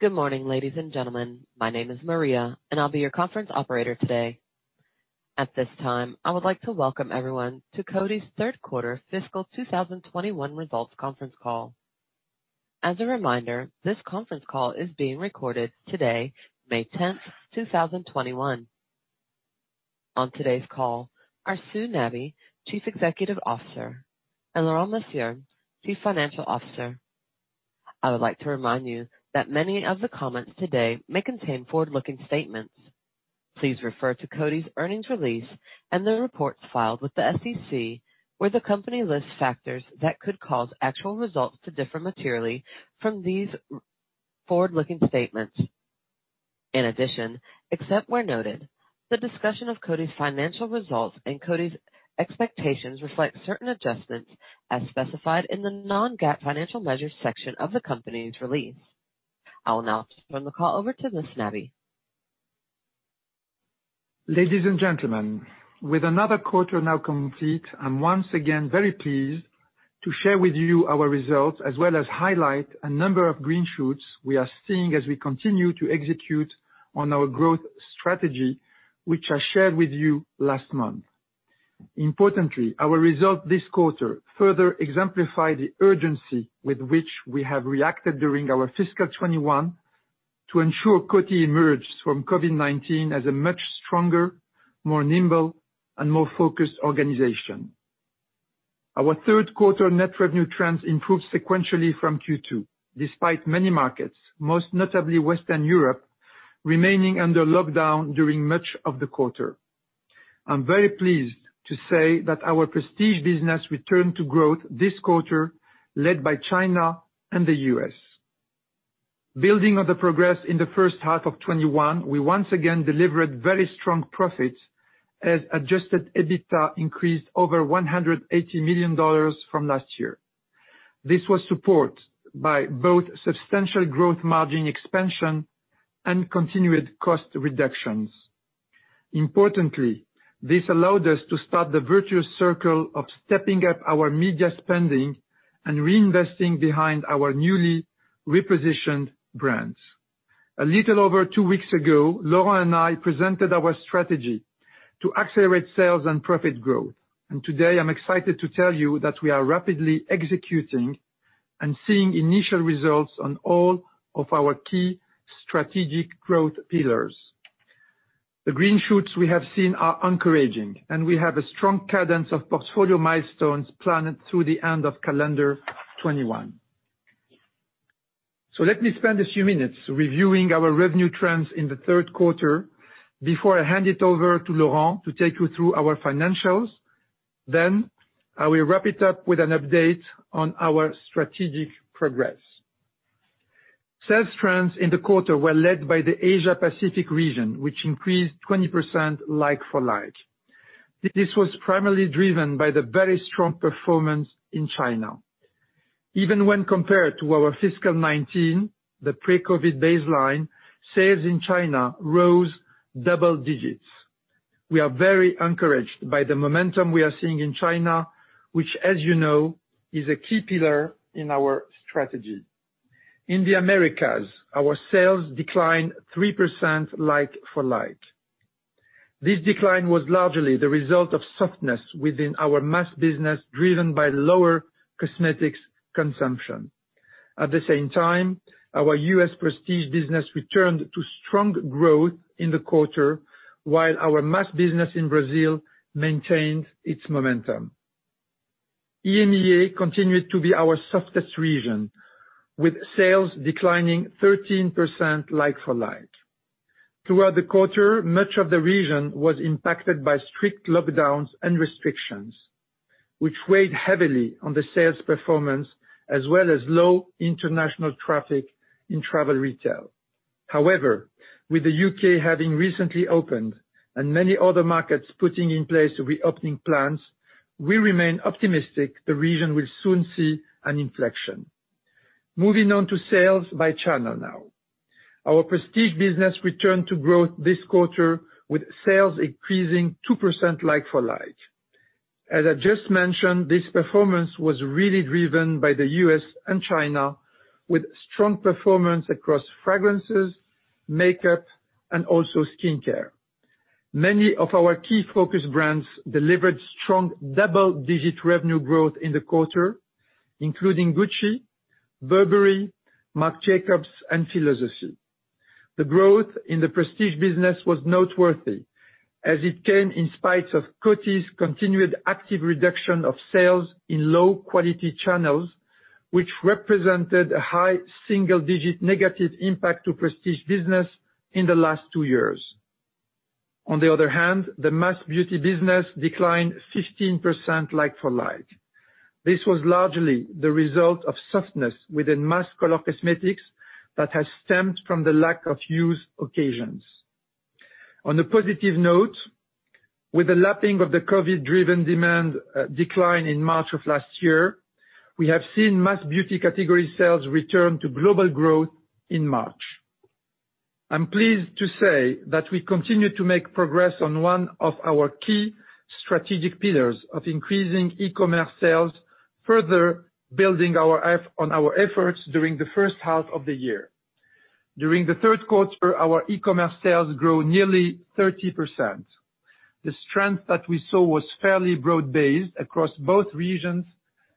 Good morning, ladies and gentlemen. My name is Maria, and I'll be your conference operator today. At this time, I would like to welcome everyone to Coty's third quarter fiscal 2021 results conference call. As a reminder, this conference call is being recorded today, May 10th, 2021. On today's call are Sue Nabi, Chief Executive Officer, and Laurent Mercier, Chief Financial Officer. I would like to remind you that many of the comments today may contain forward-looking statements. Please refer to Coty's earnings release and the reports filed with the SEC, where the company lists factors that could cause actual results to differ materially from these forward-looking statements. In addition, except where noted, the discussion of Coty's financial results and Coty's expectations reflect certain adjustments as specified in the non-GAAP financial measures section of the company's release. I'll now turn the call over to Ms. Nabi. Ladies and gentlemen, with another quarter now complete, I'm once again very pleased to share with you our results, as well as highlight a number of green shoots we are seeing as we continue to execute on our growth strategy, which I shared with you last month. Importantly, our results this quarter further exemplify the urgency with which we have reacted during our fiscal 2021 to ensure Coty emerges from COVID-19 as a much stronger, more nimble, and more focused organization. Our third quarter net revenue trends improved sequentially from Q2, despite many markets, most notably Western Europe, remaining under lockdown during much of the quarter. I'm very pleased to say that our prestige business returned to growth this quarter, led by China and the U.S. Building on the progress in the first half of 2021, we once again delivered very strong profits, as adjusted EBITDA increased over $180 million from last year. This was support by both substantial gross margin expansion and continued cost reductions. Importantly, this allowed us to start the virtuous circle of stepping up our media spending and reinvesting behind our newly repositioned brands. A little over 2 weeks ago, Laurent and I presented our strategy to accelerate sales and profit growth. Today I'm excited to tell you that we are rapidly executing and seeing initial results on all of our key strategic growth pillars. The green shoots we have seen are encouraging, and we have a strong cadence of portfolio milestones planned through the end of calendar 2021. Let me spend a few minutes reviewing our revenue trends in the third quarter before I hand it over to Laurent to take you through our financials. I will wrap it up with an update on our strategic progress. Sales trends in the quarter were led by the Asia Pacific region, which increased 20% like-for-like. This was primarily driven by the very strong performance in China. Even when compared to our fiscal 2019, the pre-COVID-19 baseline, sales in China rose double digits. We are very encouraged by the momentum we are seeing in China, which, as you know, is a key pillar in our strategy. In the Americas, our sales declined 3% like-for-like. This decline was largely the result of softness within our mass business, driven by lower cosmetics consumption. At the same time, our U.S. prestige business returned to strong growth in the quarter, while our mass business in Brazil maintained its momentum. EMEA continued to be our softest region, with sales declining 13% like-for-like. Throughout the quarter, much of the region was impacted by strict lockdowns and restrictions, which weighed heavily on the sales performance as well as low international traffic in travel retail. However, with the U.K. having recently opened and many other markets putting in place reopening plans, we remain optimistic the region will soon see an inflection. Moving on to sales by channel now. Our prestige business returned to growth this quarter, with sales increasing 2% like-for-like. As I just mentioned, this performance was really driven by the U.S. and China, with strong performance across fragrances, makeup, and also skincare. Many of our key focus brands delivered strong double-digit revenue growth in the quarter, including Gucci, Burberry, Marc Jacobs, and Philosophy. The growth in the prestige business was noteworthy as it came in spite of Coty's continued active reduction of sales in low-quality channels, which represented a high single-digit negative impact to prestige business in the last two years. On the other hand, the mass beauty business declined 15% like-for-like. This was largely the result of softness within mass color cosmetics that has stemmed from the lack of use occasions. On a positive note, with the lapping of the COVID-driven demand decline in March of last year, we have seen mass beauty category sales return to global growth in March. I'm pleased to say that we continue to make progress on one of our key strategic pillars of increasing e-commerce sales, further building on our efforts during the first half of the year. During the third quarter, our e-commerce sales grew nearly 30%. The strength that we saw was fairly broad-based across both regions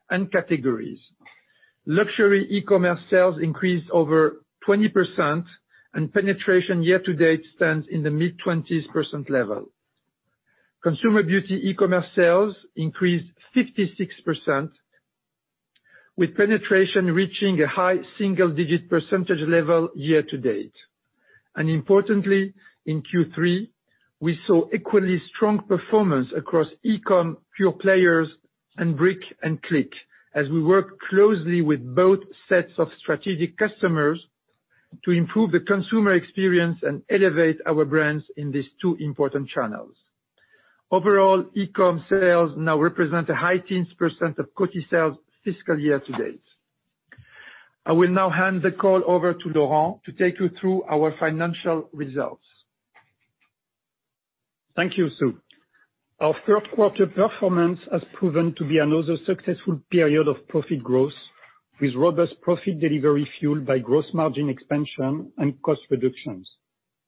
and categories. Luxury e-commerce sales increased over 20%, and penetration year-to-date stands in the mid-20% level. Consumer beauty e-commerce sales increased 56%, with penetration reaching a high single-digit percentage level year-to-date. Importantly, in Q3, we saw equally strong performance across e-com, pure players, and brick-and-click, as we work closely with both sets of strategic customers to improve the consumer experience and elevate our brands in these two important channels. Overall, e-com sales now represent a high teens percent of Coty sales fiscal year-to-date. I will now hand the call over to Laurent to take you through our financial results. Thank you, Sue. Our third quarter performance has proven to be another successful period of profit growth, with robust profit delivery fueled by gross margin expansion and cost reductions,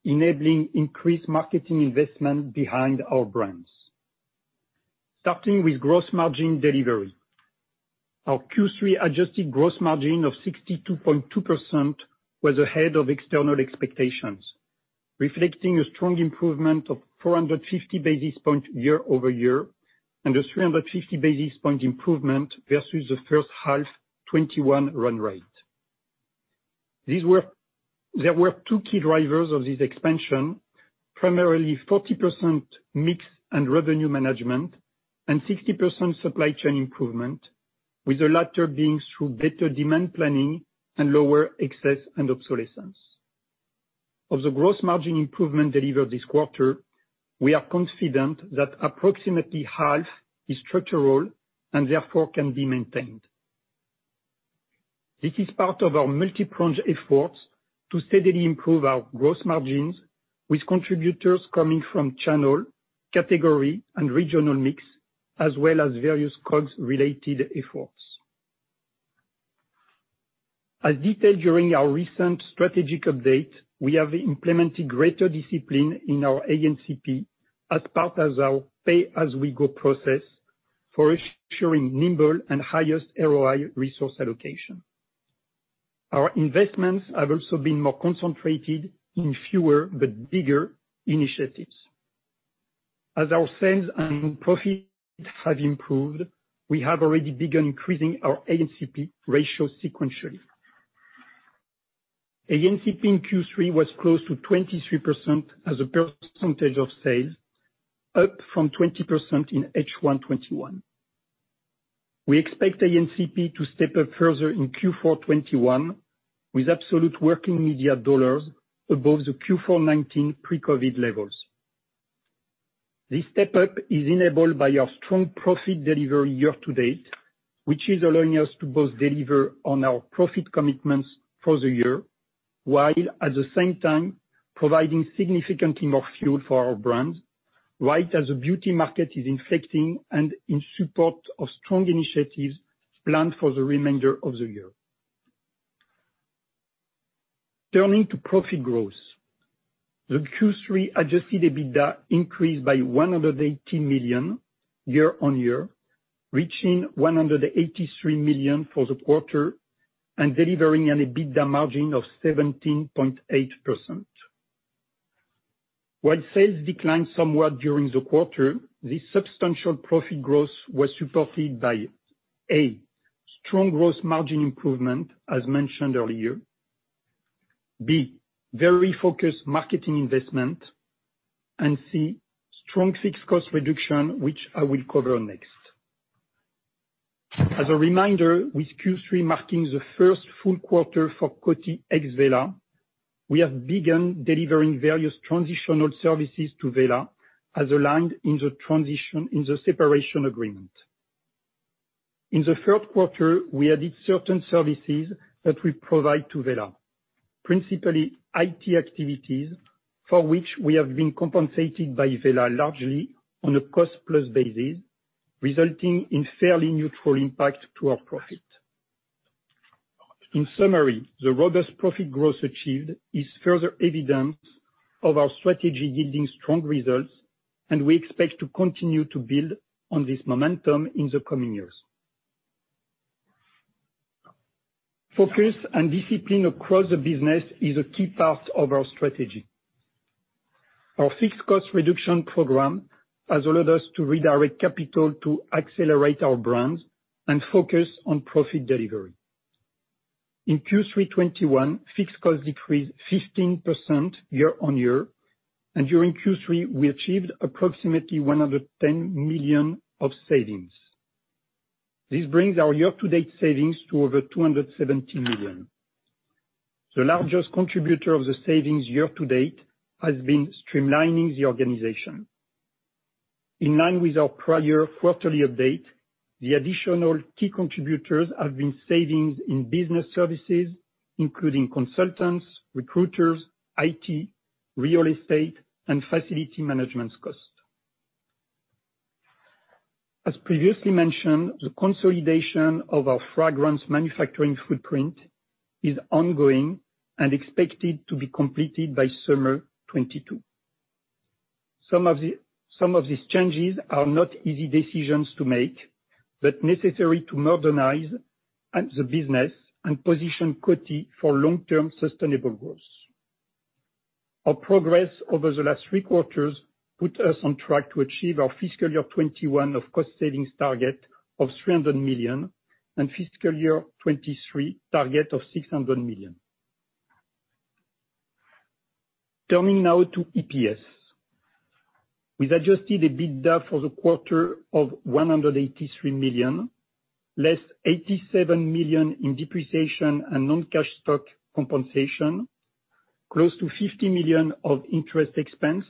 enabling increased marketing investment behind our brands. Starting with gross margin delivery. Our Q3 adjusted gross margin of 62.2% was ahead of external expectations, reflecting a strong improvement of 450 basis points year-over-year, and a 350 basis points improvement versus the first half 2021 run rate. There were two key drivers of this expansion, primarily 40% mix and revenue management, and 60% supply chain improvement, with the latter being through better demand planning and lower excess and obsolescence. Of the gross margin improvement delivered this quarter, we are confident that approximately half is structural, and therefore can be maintained. This is part of our multi-pronged efforts to steadily improve our gross margins with contributors coming from channel, category, and regional mix, as well as various costs related efforts. As detailed during our recent strategic update, we have implemented greater discipline in our A&CP as part as our pay-as-we-go process for assuring nimble and highest ROI resource allocation. Our investments have also been more concentrated in fewer but bigger initiatives. As our sales and profit have improved, we have already begun increasing our A&CP ratio sequentially. A&CP in Q3 was close to 23% as a percentage of sales, up from 20% in H1 2021. We expect A&CP to step up further in Q4 2021, with absolute working media dollars above the Q4 2019 pre-COVID-19 levels. This step-up is enabled by our strong profit delivery year-to-date, which is allowing us to both deliver on our profit commitments for the year, while at the same time providing significantly more fuel for our brands, right as the beauty market is inflating and in support of strong initiatives planned for the remainder of the year. Turning to profit growth. The Q3 adjusted EBITDA increased by $118 million year-on-year, reaching $183 million for the quarter, and delivering an EBITDA margin of 17.8%. While sales declined somewhat during the quarter, this substantial profit growth was supported by, A, strong gross margin improvement, as mentioned earlier, B, very focused marketing investment, and C, strong fixed cost reduction, which I will cover next. As a reminder, with Q3 marking the first full quarter for Coty ex-Wella, we have begun delivering various transitional services to Wella, as aligned in the separation agreement. In the third quarter, we added certain services that we provide to Wella, principally IT activities, for which we have been compensated by Wella largely on a cost-plus basis, resulting in fairly neutral impact to our profit. In summary, the robust profit growth achieved is further evidence of our strategy yielding strong results, and we expect to continue to build on this momentum in the coming years. Focus and discipline across the business is a key part of our strategy. Our fixed cost reduction program has allowed us to redirect capital to accelerate our brands and focus on profit delivery. In Q3 2021, fixed costs decreased 15% year-on-year. During Q3, we achieved approximately $110 million of savings. This brings our year-to-date savings to over $270 million. The largest contributor of the savings year-to-date has been streamlining the organization. In line with our prior quarterly update, the additional key contributors have been savings in business services, including consultants, recruiters, IT, real estate, and facility management costs. As previously mentioned, the consolidation of our fragrance manufacturing footprint is ongoing and expected to be completed by summer 2022. Some of these changes are not easy decisions to make, but necessary to modernize the business and position Coty for long-term sustainable growth. Our progress over the last three quarters put us on track to achieve our fiscal year 2021 of cost savings target of $300 million, and fiscal year 2023 target of $600 million. Turning now to EPS. With adjusted EBITDA for the quarter of $183 million, less $87 million in depreciation and non-cash stock compensation, close to $50 million of interest expense,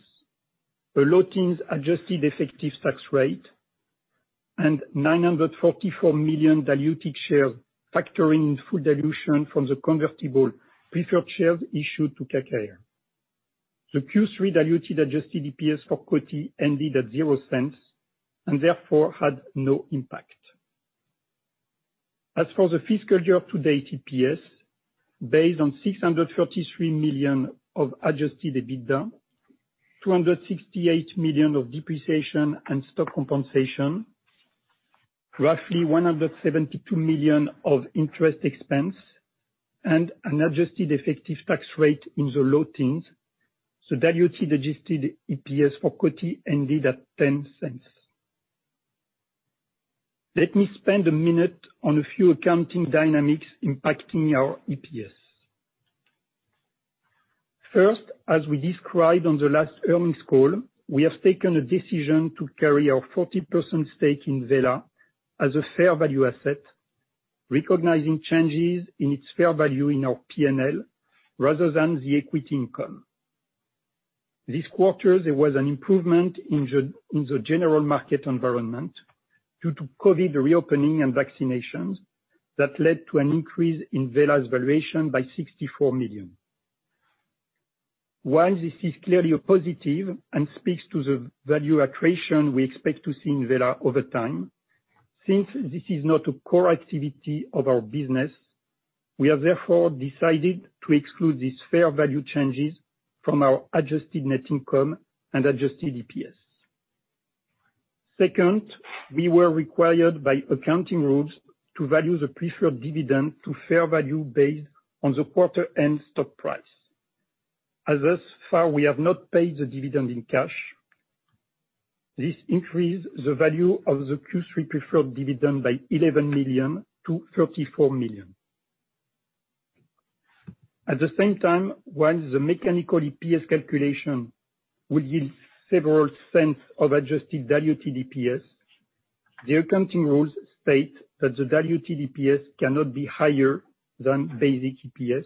a low teens adjusted effective tax rate, and 944 million diluted shares, factoring in full dilution from the convertible preferred shares issued to KKR. The Q3 diluted adjusted EPS for Coty ended at $0.00. Therefore, it had no impact. As for the fiscal year to date EPS, based on $633 million of adjusted EBITDA, $268 million of depreciation and stock compensation, roughly $172 million of interest expense, and an adjusted effective tax rate in the low teens, the diluted adjusted EPS for Coty ended at $0.10. Let me spend a minute on a few accounting dynamics impacting our EPS. As we described on the last earnings call, we have taken a decision to carry our 40% stake in Wella as a fair value asset, recognizing changes in its fair value in our P&L rather than the equity income. This quarter, there was an improvement in the general market environment due to COVID reopening and vaccinations that led to an increase in Wella's valuation by $64 million. While this is clearly a positive and speaks to the value accretion we expect to see in Wella over time, since this is not a core activity of our business, we have therefore decided to exclude these fair value changes from our adjusted net income and adjusted EPS. We were required by accounting rules to value the preferred dividend to fair value based on the quarter end stock price. Thus far, we have not paid the dividend in cash. This increased the value of the Q3 preferred dividend by $11 million-$34 million. At the same time, while the mechanical EPS calculation would yield several cents of adjusted diluted EPS, the accounting rules state that the diluted EPS cannot be higher than basic EPS.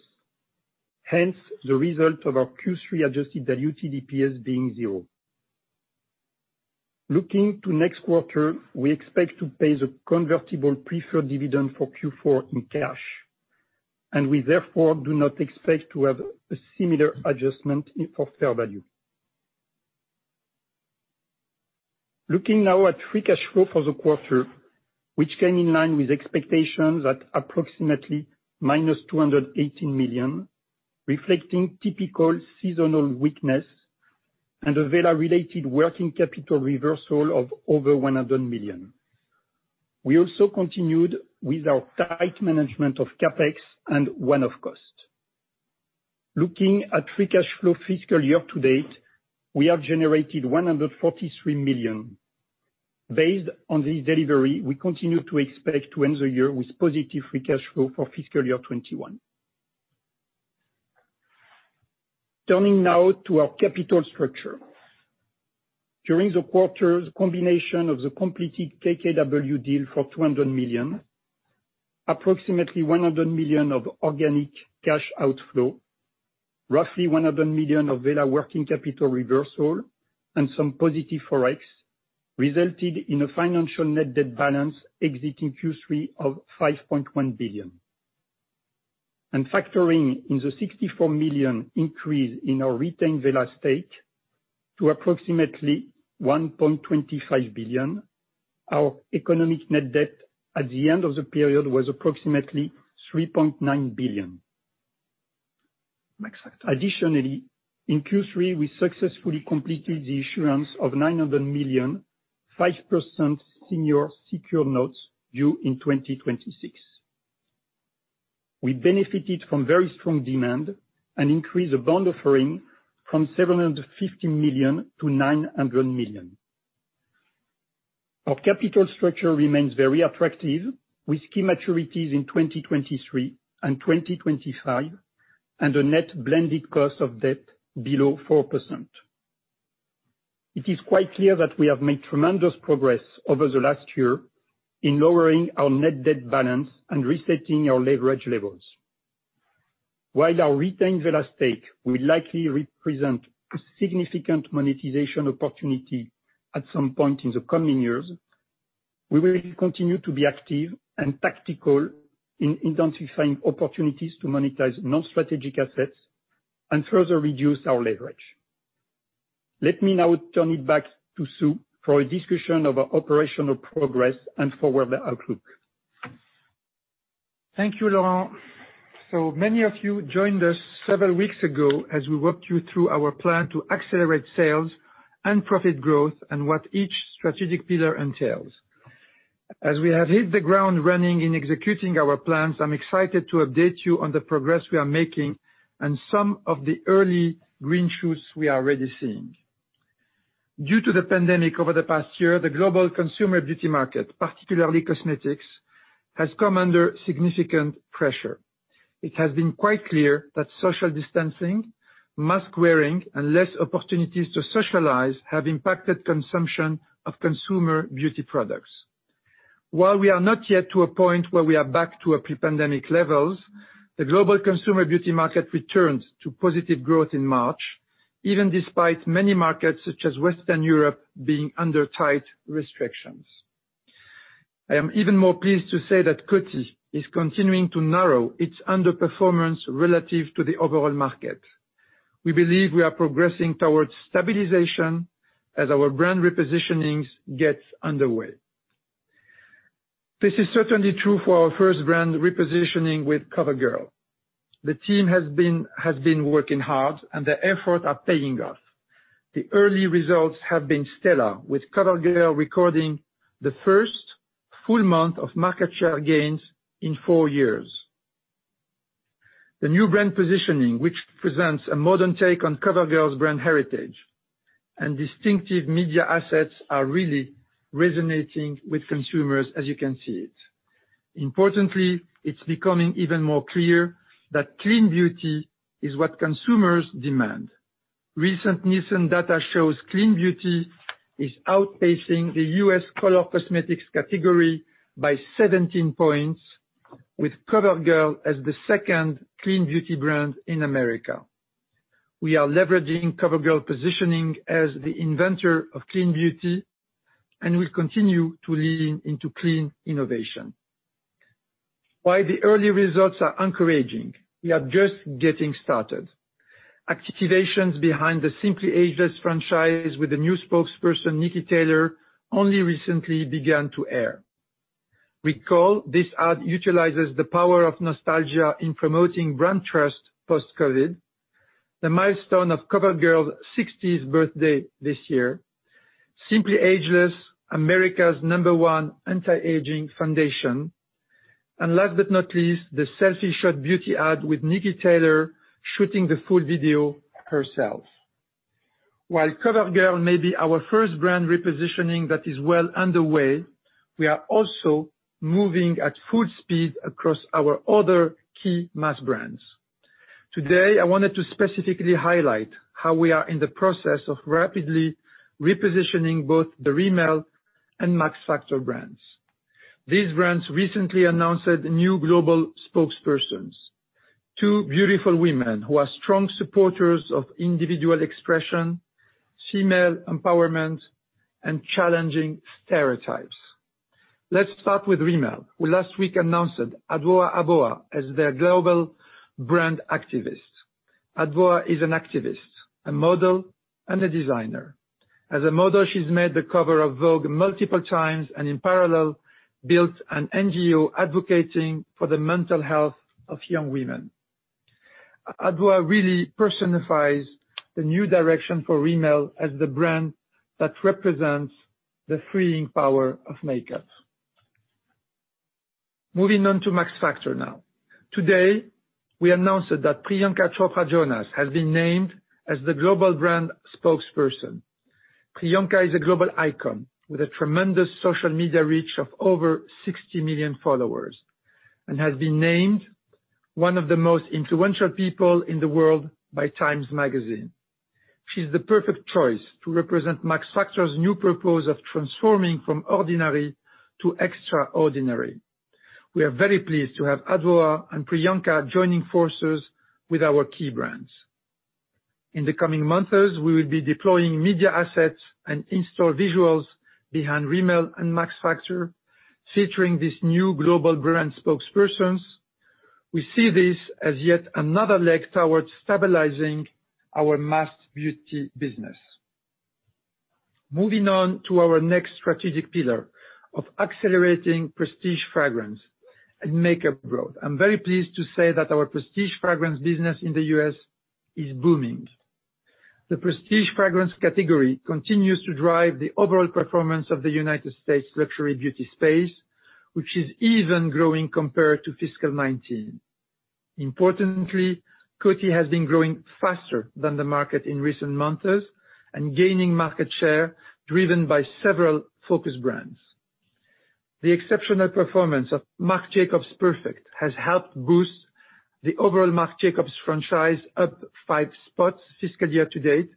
Hence, the result of our Q3 adjusted diluted EPS being zero. Looking to next quarter, we expect to pay the convertible preferred dividend for Q4 in cash. We therefore do not expect to have a similar adjustment for fair value. Looking now at free cash flow for the quarter, which came in line with expectations at approximately minus $218 million, reflecting typical seasonal weakness and a Wella-related working capital reversal of over $100 million. We also continued with our tight management of CapEx and one-off cost. Looking at free cash flow fiscal year to date, we have generated $143 million. Based on this delivery, we continue to expect to end the year with positive free cash flow for fiscal year 2021. Turning now to our capital structure. During the quarter, the combination of the completed KKW deal for $200 million, approximately $100 million of organic cash outflow, roughly $100 million of Wella working capital reversal, and some positive Forex, resulted in a financial net debt balance exiting Q3 of $5.1 billion. Factoring in the $64 million increase in our retained Wella stake to approximately $1.25 billion, our economic net debt at the end of the period was approximately $3.9 billion. In Q3, we successfully completed the issuance of $900 million 5% senior secure notes due in 2026. We benefited from very strong demand and increased the bond offering from $750 million to $900 million. Our capital structure remains very attractive, with key maturities in 2023 and 2025, and a net blended cost of debt below 4%. It is quite clear that we have made tremendous progress over the last year in lowering our net debt balance and resetting our leverage levels. While our retained Wella stake will likely represent a significant monetization opportunity at some point in the coming years, we will continue to be active and tactical in identifying opportunities to monetize non-strategic assets and further reduce our leverage. Let me now turn it back to Sue for a discussion of our operational progress and forward our outlook. Thank you, Laurent. Many of you joined us several weeks ago as we walked you through our plan to accelerate sales and profit growth and what each strategic pillar entails. As we have hit the ground running in executing our plans, I'm excited to update you on the progress we are making and some of the early green shoots we are already seeing. Due to the pandemic over the past year, the global consumer beauty market, particularly cosmetics, has come under significant pressure. It has been quite clear that social distancing, mask-wearing, and less opportunities to socialize have impacted consumption of consumer beauty products. While we are not yet to a point where we are back to our pre-pandemic levels, the global consumer beauty market returned to positive growth in March, even despite many markets such as Western Europe being under tight restrictions. I am even more pleased to say that Coty is continuing to narrow its underperformance relative to the overall market. We believe we are progressing towards stabilization as our brand repositionings get underway. This is certainly true for our first brand repositioning with CoverGirl. The team has been working hard, and the efforts are paying off. The early results have been stellar, with CoverGirl recording the first full month of market share gains in four years. The new brand positioning, which presents a modern take on CoverGirl's brand heritage, and distinctive media assets are really resonating with consumers as you can see it. Importantly, it's becoming even more clear that clean beauty is what consumers demand. Recent Nielsen data shows clean beauty is outpacing the U.S. color cosmetics category by 17 points, with CoverGirl as the second clean beauty brand in America. We are leveraging CoverGirl positioning as the inventor of clean beauty and will continue to lean into clean innovation. While the early results are encouraging, we are just getting started. Activations behind the Simply Ageless franchise with the new spokesperson, Niki Taylor, only recently began to air. Recall, this ad utilizes the power of nostalgia in promoting brand trust post-COVID, the milestone of CoverGirl's sixties birthday this year, Simply Ageless, America's number one anti-aging foundation, and last but not least, the selfie shot beauty ad with Niki Taylor shooting the full video herself. While CoverGirl may be our first brand repositioning that is well underway, we are also moving at full speed across our other key mass brands. Today, I wanted to specifically highlight how we are in the process of rapidly repositioning both the Rimmel and Max Factor brands. These brands recently announced new global spokespersons, two beautiful women who are strong supporters of individual expression, female empowerment, and challenging stereotypes. Let's start with Rimmel, who last week announced Adwoa Aboah as their global brand activist. Adwoa is an activist, a model, and a designer. As a model, she's made the cover of Vogue multiple times, and in parallel, built an NGO advocating for the mental health of young women. Adwoa really personifies the new direction for Rimmel as the brand that represents the freeing power of makeup. Moving on to Max Factor now. Today, we announced that Priyanka Chopra Jonas has been named as the global brand spokesperson. Priyanka is a global icon with a tremendous social media reach of over 60 million followers and has been named one of the most influential people in the world by Time Magazine. She's the perfect choice to represent Max Factor's new purpose of transforming from ordinary to extraordinary. We are very pleased to have Adwoa and Priyanka joining forces with our key brands. In the coming months, we will be deploying media assets and in-store visuals behind Rimmel and Max Factor, featuring these new global brand spokespersons. We see this as yet another leg towards stabilizing our mass beauty business. Moving on to our next strategic pillar of accelerating prestige fragrance and makeup growth. I'm very pleased to say that our prestige fragrance business in the U.S. is booming. The prestige fragrance category continues to drive the overall performance of the United States luxury beauty space, which is even growing compared to fiscal 2019. Importantly, Coty has been growing faster than the market in recent months and gaining market share driven by several focus brands. The exceptional performance of Marc Jacobs Perfect has helped boost the overall Marc Jacobs franchise up five spots fiscal year to date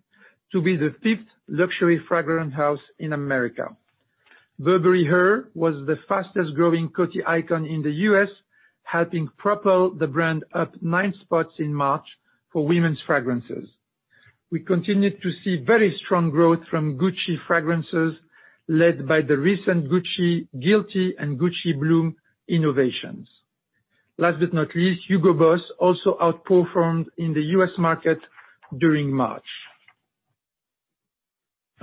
to be the fifth luxury fragrance house in America. Burberry Her was the fastest-growing Coty icon in the U.S., helping propel the brand up nine spots in March for women's fragrances. We continued to see very strong growth from Gucci fragrances, led by the recent Gucci Guilty and Gucci Bloom innovations. Last but not least, Hugo Boss also outperformed in the U.S. market during March.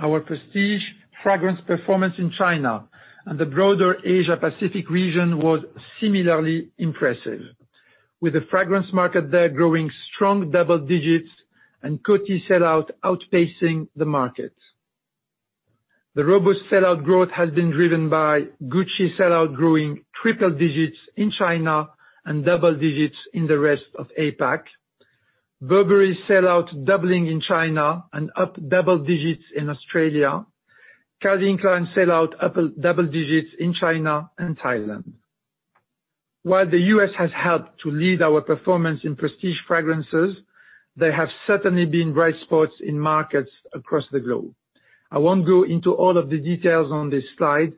Our prestige fragrance performance in China and the broader Asia Pacific region was similarly impressive, with the fragrance market there growing strong double digits and Coty sell-out outpacing the market. The robust sell-out growth has been driven by Gucci sell-out growing triple digits in China and double digits in the rest of APAC. Burberry's sell-out doubling in China and up double digits in Australia. Calvin Klein sell-out up double digits in China and Thailand. While the U.S. has helped to lead our performance in prestige fragrances, there have certainly been bright spots in markets across the globe. I won't go into all of the details on this slide,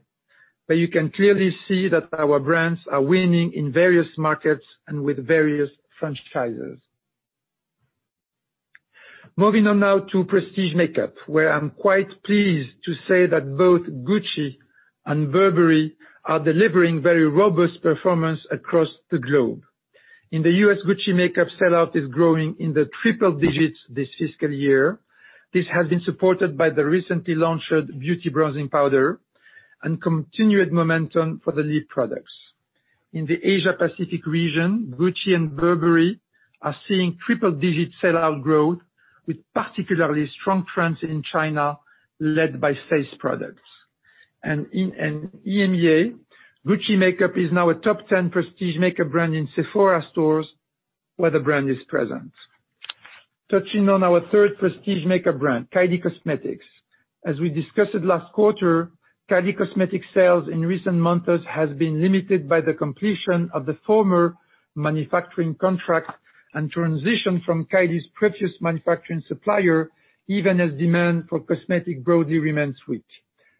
but you can clearly see that our brands are winning in various markets and with various franchises. Moving on now to prestige makeup, where I'm quite pleased to say that both Gucci and Burberry are delivering very robust performance across the globe. In the U.S., Gucci makeup sellout is growing in the triple digits this fiscal year. This has been supported by the recently launched Beauty Bronzing Powder and continued momentum for the lip products. In the Asia Pacific region, Gucci and Burberry are seeing triple digit sell-out growth, with particularly strong trends in China led by face products. In EMEA, Gucci Beauty is now a top 10 prestige makeup brand in Sephora stores where the brand is present. Touching on our third prestige makeup brand, Kylie Cosmetics. As we discussed it last quarter, Kylie Cosmetics sales in recent months has been limited by the completion of the former manufacturing contract and transition from Kylie's previous manufacturing supplier, even as demand for cosmetics broadly remains sweet.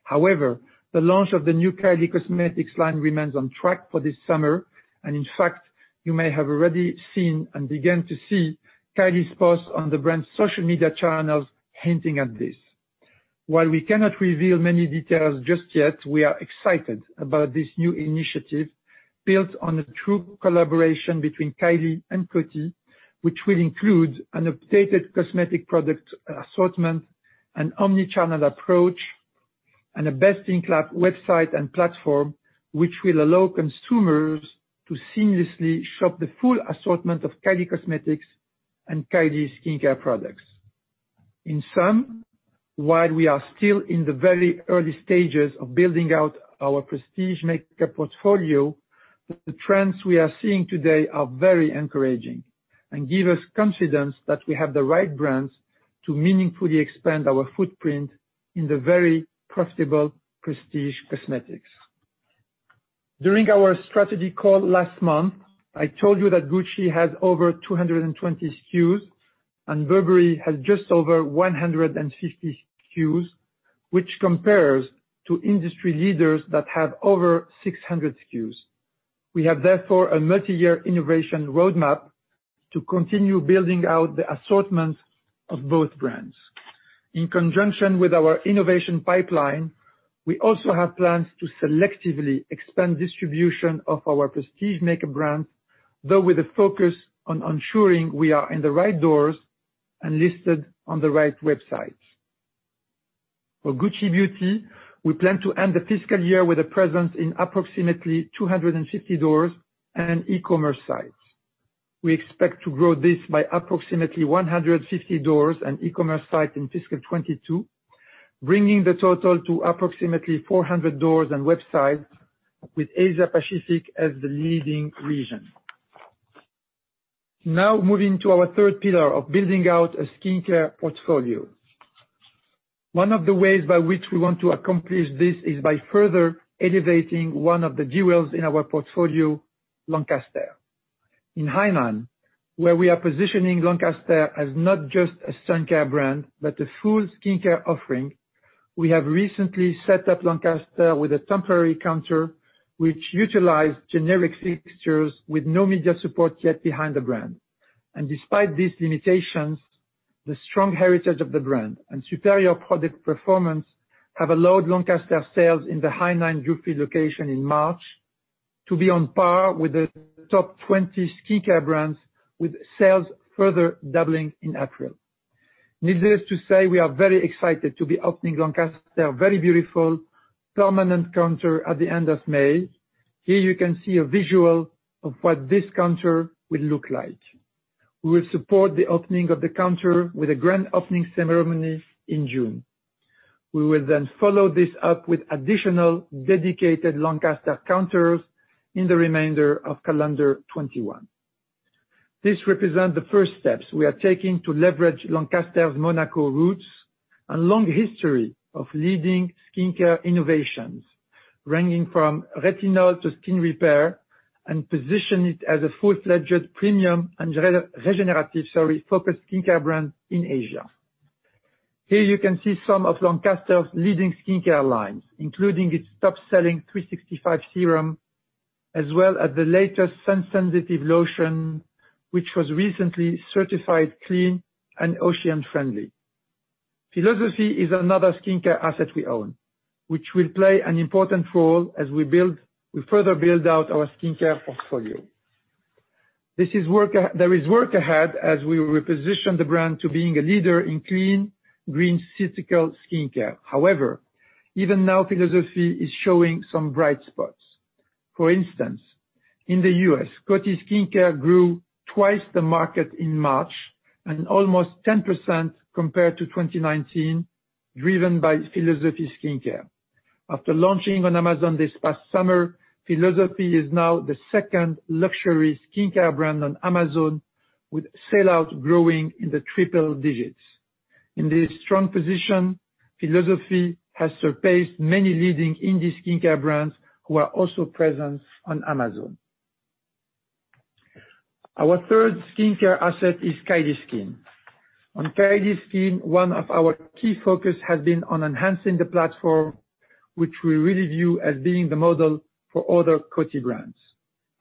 The launch of the new Kylie Cosmetics line remains on track for this summer, and in fact, you may have already seen and began to see Kylie's posts on the brand's social media channels hinting at this. While we cannot reveal many details just yet, we are excited about this new initiative built on a true collaboration between Kylie and Coty, which will include an updated cosmetic product assortment, an omni-channel approach, and a best-in-class website and platform which will allow consumers to seamlessly shop the full assortment of Kylie Cosmetics and Kylie Skin care products. In sum, while we are still in the very early stages of building out our prestige makeup portfolio, the trends we are seeing today are very encouraging and give us confidence that we have the right brands to meaningfully expand our footprint in the very profitable prestige cosmetics. During our strategy call last month, I told you that Gucci has over 220 SKUs and Burberry has just over 150 SKUs, which compares to industry leaders that have over 600 SKUs. We have, therefore, a multi-year innovation roadmap to continue building out the assortments of both brands. In conjunction with our innovation pipeline, we also have plans to selectively expand distribution of our prestige makeup brands, though with a focus on ensuring we are in the right doors and listed on the right websites. For Gucci Beauty, we plan to end the fiscal year with a presence in approximately 250 doors and e-commerce sites. We expect to grow this by approximately 150 doors and e-commerce sites in fiscal 2022, bringing the total to approximately 400 doors and websites, with Asia Pacific as the leading region. Now moving to our third pillar of building out a skincare portfolio. One of the ways by which we want to accomplish this is by further elevating one of the jewels in our portfolio, Lancaster. In Hainan, where we are positioning Lancaster as not just a sun care brand, but a full skincare offering, we have recently set up Lancaster with a temporary counter, which utilized generic fixtures with no media support yet behind the brand. Despite these limitations, the strong heritage of the brand and superior product performance have allowed Lancaster sales in the Hainan duty location in March to be on par with the top 20 skincare brands, with sales further doubling in April. Needless to say, we are very excited to be opening Lancaster, very beautiful, permanent counter at the end of May. Here you can see a visual of what this counter will look like. We will support the opening of the counter with a grand opening ceremony in June. We will follow this up with additional dedicated Lancaster counters in the remainder of calendar 21. This represents the first steps we are taking to leverage Lancaster's Monaco roots and long history of leading skincare innovations, ranging from retinol to skin repair, and position it as a full-fledged premium and regenerative focused skincare brand in Asia. Here you can see some of Lancaster's leading skincare lines, including its top-selling 365 serum, as well as the latest sun sensitive lotion, which was recently certified clean and ocean-friendly. Philosophy is another skincare asset we own, which will play an important role as we further build out our skincare portfolio. There is work ahead as we reposition the brand to being a leader in clean, green, syncytial skincare. Even now, Philosophy is showing some bright spots. In the U.S., Coty Skincare grew twice the market in March, and almost 10% compared to 2019, driven by Philosophy Skincare. After launching on Amazon this past summer, Philosophy is now the second luxury skincare brand on Amazon, with sellouts growing in the triple digits. In this strong position, Philosophy has surpassed many leading indie skincare brands who are also present on Amazon. Our third skincare asset is Kylie Skin. On Kylie Skin, one of our key focus has been on enhancing the platform, which we really view as being the model for other Coty brands.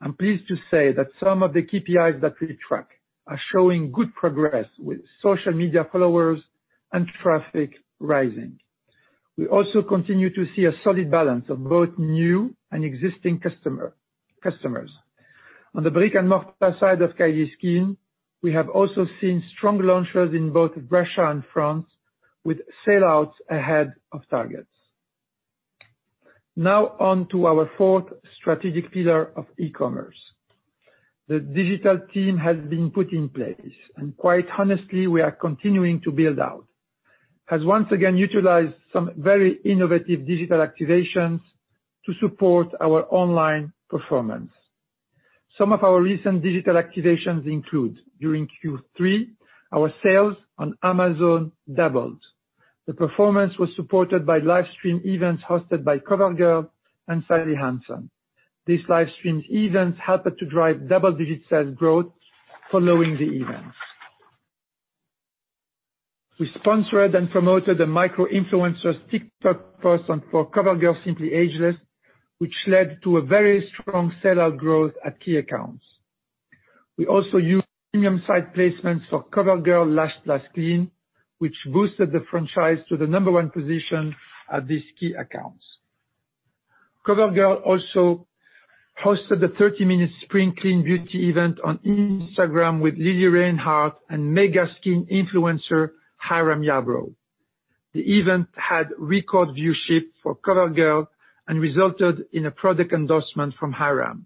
I'm pleased to say that some of the KPIs that we track are showing good progress, with social media followers and traffic rising. We also continue to see a solid balance of both new and existing customers. On the brick-and-mortar side of Kylie Skin, we have also seen strong launches in both Russia and France, with sellouts ahead of targets. Now on to our fourth strategic pillar of e-commerce. The digital team has been put in place, and quite honestly, we are continuing to build out, has once again utilized some very innovative digital activations to support our online performance. Some of our recent digital activations include, during Q3, our sales on Amazon doubled. The performance was supported by livestream events hosted by CoverGirl and Sally Hansen. These livestream events helped to drive double-digit sales growth following the events. We sponsored and promoted the micro-influencer TikTok person for CoverGirl Simply Ageless, which led to a very strong sellout growth at key accounts. We also used premium site placements for CoverGirl Lash Blast Clean, which boosted the franchise to the number one position at these key accounts. CoverGirl also hosted the 30-minute spring clean beauty event on Instagram with Lili Reinhart and mega skin influencer, Hyram Yarbro. The event had record viewership for CoverGirl, and resulted in a product endorsement from Hyram.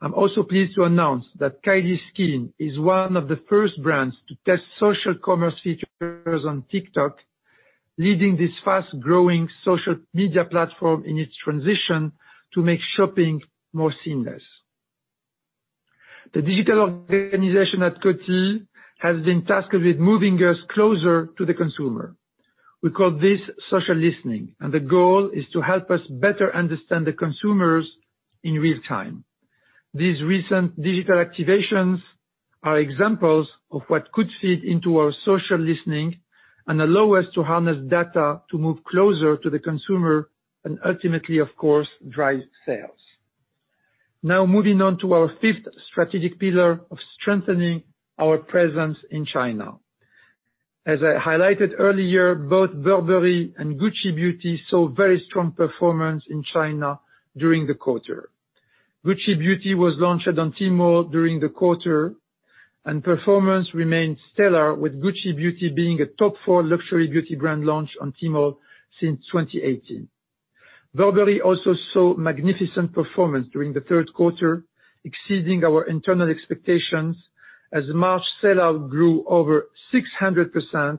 I'm also pleased to announce that Kylie Skin is one of the first brands to test social commerce features on TikTok, leading this fast-growing social media platform in its transition to make shopping more seamless. The digital organization at Coty has been tasked with moving us closer to the consumer. We call this social listening, and the goal is to help us better understand the consumers in real time. These recent digital activations are examples of what could feed into our social listening, and allow us to harness data to move closer to the consumer, and ultimately, of course, drive sales. Now moving on to our fifth strategic pillar of strengthening our presence in China. As I highlighted earlier, both Burberry and Gucci Beauty saw very strong performance in China during the quarter. Gucci Beauty was launched on Tmall during the quarter, and performance remained stellar, with Gucci Beauty being a top four luxury beauty brand launch on Tmall since 2018. Burberry also saw magnificent performance during the third quarter, exceeding our internal expectations as March sellout grew over 600%,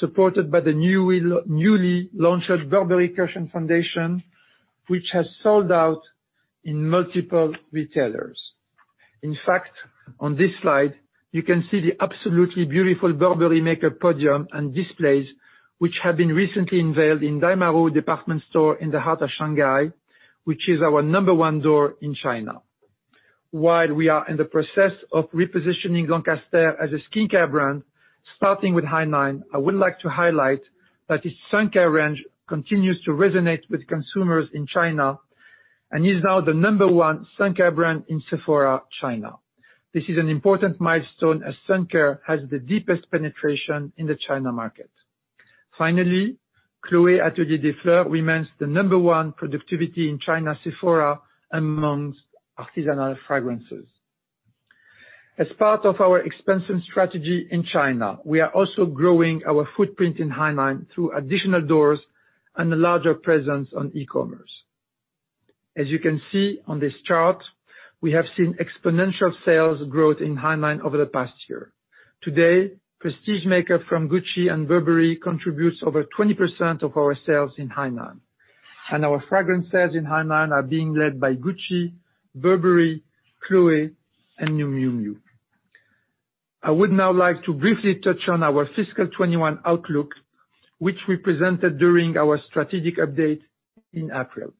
supported by the newly launched Burberry Cushion Foundation, which has sold out in multiple retailers. In fact, on this slide, you can see the absolutely beautiful Burberry makeup podium and displays which have been recently unveiled in Daimaru Department Store in the heart of Shanghai, which is our number one door in China. While we are in the process of repositioning Lancaster as a skincare brand, starting with Hainan, I would like to highlight that its sun care range continues to resonate with consumers in China and is now the number one sun care brand in Sephora China. This is an important milestone as sun care has the deepest penetration in the China market. Finally, Chloé Atelier des Fleurs remains the number one productivity in China Sephora amongst artisanal fragrances. As part of our expansion strategy in China, we are also growing our footprint in Hainan through additional doors and a larger presence on e-commerce. As you can see on this chart, we have seen exponential sales growth in Hainan over the past year. Today, prestige makeup from Gucci and Burberry contributes over 20% of our sales in Hainan, and our fragrance sales in Hainan are being led by Gucci, Burberry, Chloé, and Miu Miu. I would now like to briefly touch on our fiscal 2021 outlook, which we presented during our strategic update in April.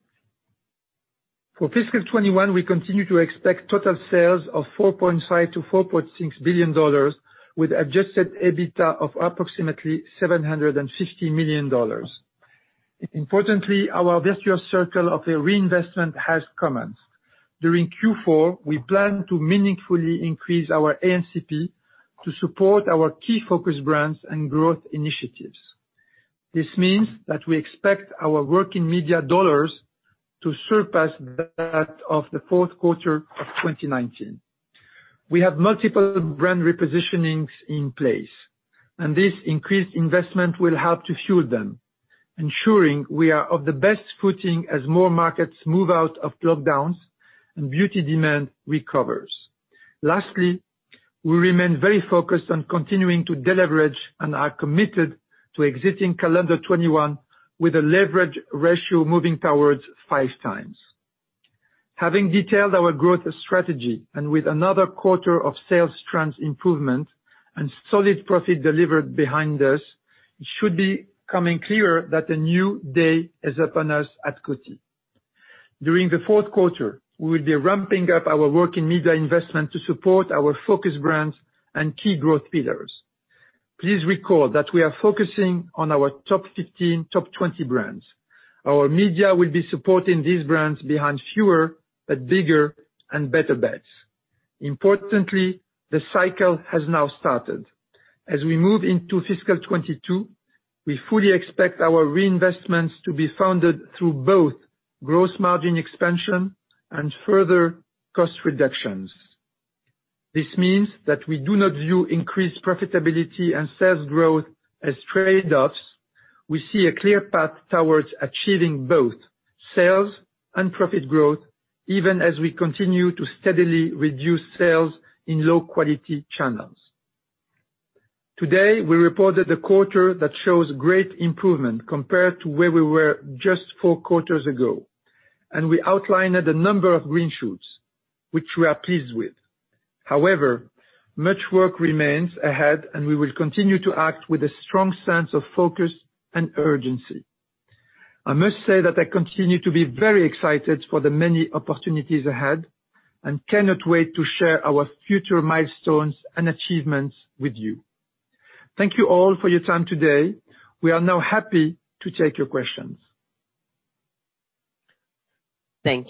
For fiscal 2021, we continue to expect total sales of $4.5 billion-$4.6 billion with adjusted EBITDA of approximately $750 million. Importantly, our virtuous circle of a reinvestment has commenced. During Q4, we plan to meaningfully increase our A&CP to support our key focus brands and growth initiatives. This means that we expect our work in media dollars to surpass that of the fourth quarter of 2019. We have multiple brand repositionings in place, and this increased investment will help to fuel them, ensuring we are of the best footing as more markets move out of lockdowns and beauty demand recovers. Lastly, we remain very focused on continuing to deleverage and are committed to exiting calendar 2021 with a leverage ratio moving towards 5x. Having detailed our growth strategy and with another quarter of sales trends improvement and solid profit delivered behind us, it should be coming clearer that a new day is upon us at Coty. During the fourth quarter, we will be ramping up our work in media investment to support our focus brands and key growth pillars. Please recall that we are focusing on our top 15, top 20 brands. Our media will be supporting these brands behind fewer but bigger and better bets. Importantly, the cycle has now started. As we move into fiscal 2022, we fully expect our reinvestments to be funded through both gross margin expansion and further cost reductions. This means that we do not view increased profitability and sales growth as trade-offs. We see a clear path towards achieving both sales and profit growth, even as we continue to steadily reduce sales in low-quality channels. Today, we reported a quarter that shows great improvement compared to where we were just four quarters ago, and we outlined a number of green shoots, which we are pleased with. Much work remains ahead, and we will continue to act with a strong sense of focus and urgency. I must say that I continue to be very excited for the many opportunities ahead and cannot wait to share our future milestones and achievements with you. Thank you all for your time today. We are now happy to take your questions. Our first question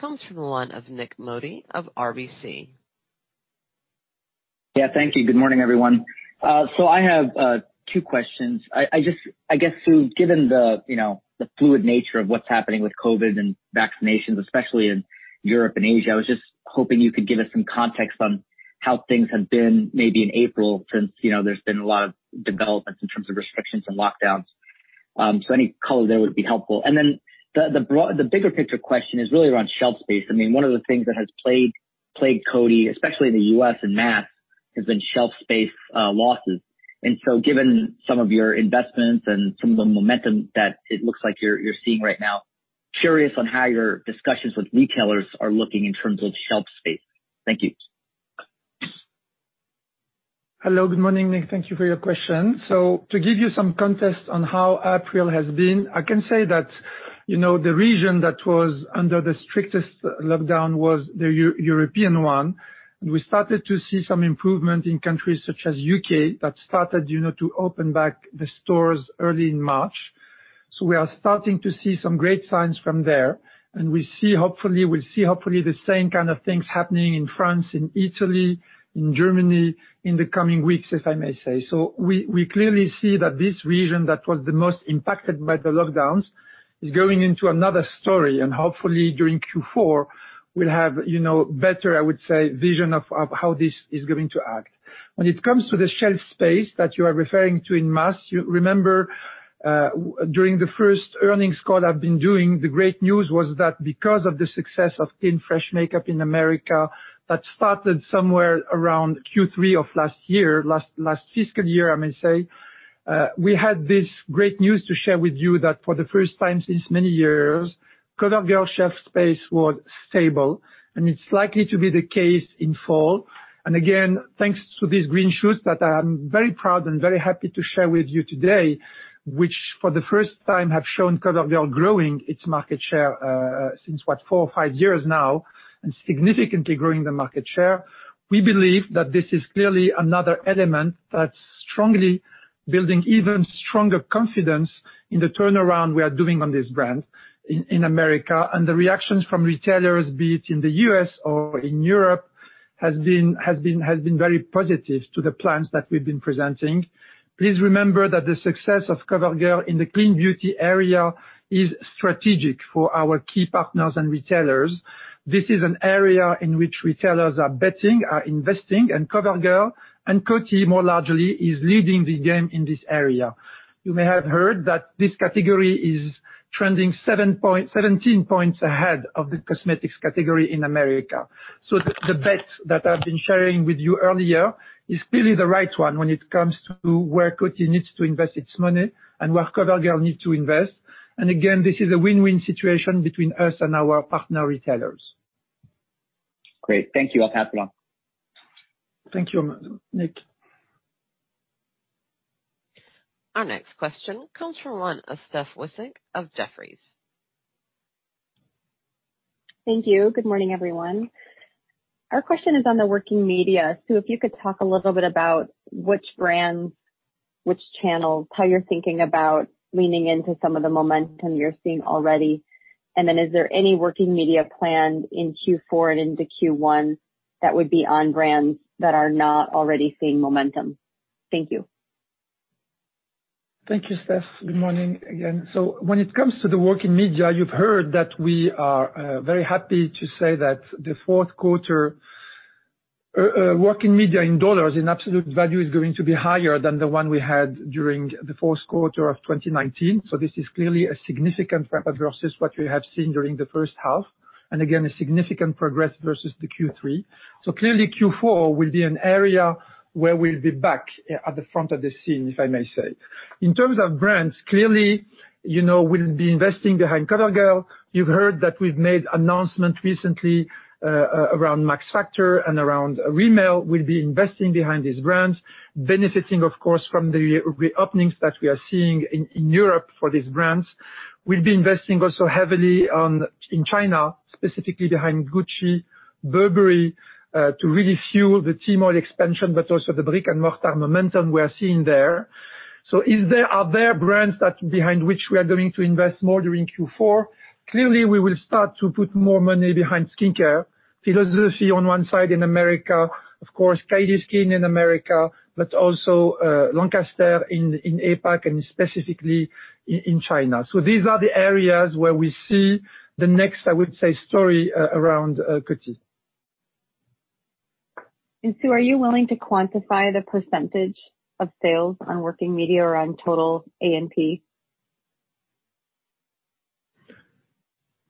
comes from the line of Nik Modi of RBC. Yeah, thank you. Good morning, everyone. I have two questions. I guess, given the fluid nature of what's happening with COVID-19 and vaccinations, especially in Europe and Asia, I was just hoping you could give us some context on how things have been maybe in April since there's been a lot of developments in terms of restrictions and lockdowns. Any color there would be helpful. The bigger picture question is really around shelf space. One of the things that has plagued Coty, especially in the U.S. and mass, has been shelf space losses. Given some of your investments and some of the momentum that it looks like you're seeing right now, curious on how your discussions with retailers are looking in terms of shelf space. Thank you. Hello. Good morning, Nik. Thank you for your question. To give you some context on how April has been, I can say that the region that was under the strictest lockdown was the European one. We started to see some improvement in countries such as U.K. that started to open back the stores early in March. We are starting to see some great signs from there. We'll see hopefully the same kind of things happening in France, in Italy, in Germany in the coming weeks, if I may say. We clearly see that this region that was the most impacted by the lockdowns is going into another story. Hopefully during Q4 we'll have better, I would say, vision of how this is going to act. When it comes to the shelf space that you are referring to in mass, you remember, during the first earnings call I've been doing, the great news was that because of the success of Clean Fresh Makeup in America that started somewhere around Q3 of last year, last fiscal year, I may say, we had this great news to share with you that for the first time since many years, CoverGirl shelf space was stable, and it's likely to be the case in fall. Again, thanks to these green shoots that I'm very proud and very happy to share with you today, which for the first time have shown CoverGirl growing its market share, since what? Four or five years now, and significantly growing the market share. We believe that this is clearly another element that's strongly building even stronger confidence in the turnaround we are doing on this brand in America, and the reactions from retailers, be it in the U.S. or in Europe, has been very positive to the plans that we've been presenting. Please remember that the success of CoverGirl in the clean beauty area is strategic for our key partners and retailers. This is an area in which retailers are betting, are investing, and CoverGirl and Coty, more largely, is leading the game in this area. You may have heard that this category is trending 17 points ahead of the cosmetics category in America. The bet that I've been sharing with you earlier is clearly the right one when it comes to where Coty needs to invest its money and where CoverGirl needs to invest. Again, this is a win-win situation between us and our partner retailers. Great. Thank you. Thank you, Nik. Our next question comes from line of Stephanie Wissink of Jefferies. Thank you. Good morning, everyone. Our question is on the working media. If you could talk a little bit about which brands, which channels, how you're thinking about leaning into some of the momentum you're seeing already. Is there any working media plan in Q4 and into Q1 that would be on brands that are not already seeing momentum? Thank you. Thank you, Steph. When it comes to the working media, you've heard that we are very happy to say that the fourth quarter working media in dollars in absolute value is going to be higher than the one we had during the fourth quarter of 2019. This is clearly a significant ramp up versus what we have seen during the first half, and again, a significant progress versus the Q3. Clearly Q4 will be an area where we'll be back at the front of the scene, if I may say. In terms of brands, clearly, we'll be investing behind CoverGirl. You've heard that we've made announcement recently around Max Factor and around Rimmel. We'll be investing behind these brands, benefiting of course, from the reopenings that we are seeing in Europe for these brands. We will be investing also heavily in China, specifically behind Gucci, Burberry, to really fuel the Tmall expansion, but also the brick-and-mortar momentum we are seeing there. Are there brands that behind which we are going to invest more during Q4? Clearly, we will start to put more money behind skincare. Philosophy on one side in America, of course, Kylie Skin in America, but also Lancaster in APAC and specifically in China. These are the areas where we see the next, I would say, story around Coty. Sue, are you willing to quantify the % of sales on working media or on total A&CP?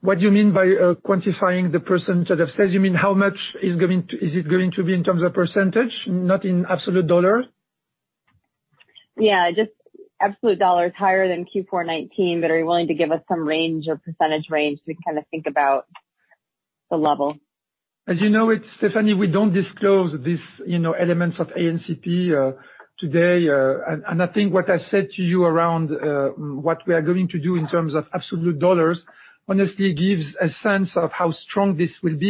What do you mean by quantifying the percentage of sales? You mean how much is it going to be in terms of percentage? Not in absolute dollars? Yeah, just absolute dollars higher than Q4 2019, but are you willing to give us some range or percentage range to kind of think about the level? As you know it, Stephanie, we don't disclose these elements of A&CP today. I think what I said to you around what we are going to do in terms of absolute dollars honestly gives a sense of how strong this will be.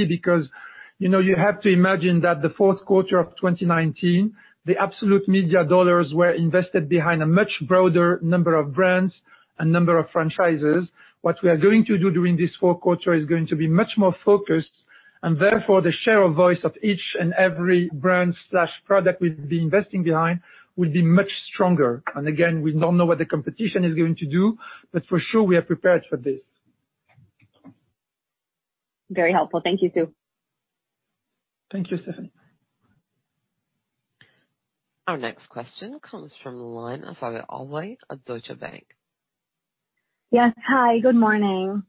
You have to imagine that the fourth quarter of 2019, the absolute media dollars were invested behind a much broader number of brands and number of franchises. What we are going to do during this fourth quarter is going to be much more focused, and therefore, the share of voice of each and every brand/product we've been investing behind will be much stronger. Again, we don't know what the competition is going to do, for sure we are prepared for this. Very helpful. Thank you, Sue. Thank you, Stephanie. Our next question comes from the line of Faiza Alwy of Deutsche Bank. Yes. Hi, good morning.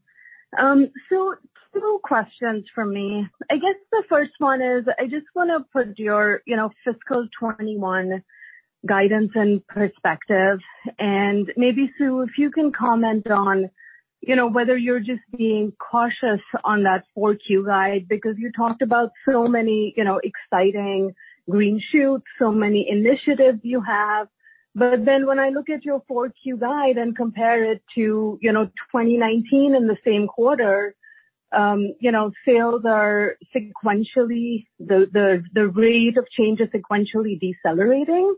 Two questions from me. I guess the first one is, I just want to put your fiscal 2021 guidance in perspective. Maybe, Sue, if you can comment on whether you're just being cautious on that 4Q guide because you talked about so many exciting green shoots, so many initiatives you have. When I look at your 4Q guide and compare it to 2019 in the same quarter, sales are sequentially, the rate of change is sequentially decelerating.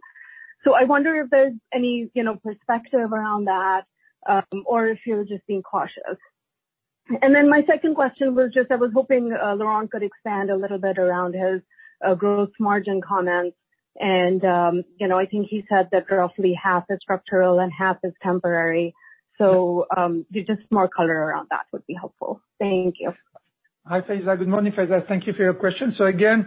So I wonder if there's any perspective around that, or if you're just being cautious. My second question was just I was hoping Laurent could expand a little bit around his gross margin comments, and I think he said that roughly half is structural and half is temporary. So, just more color around that would be helpful. Thank you. Hi, Faiza. Good morning, Faiza. Thank you for your question. Again,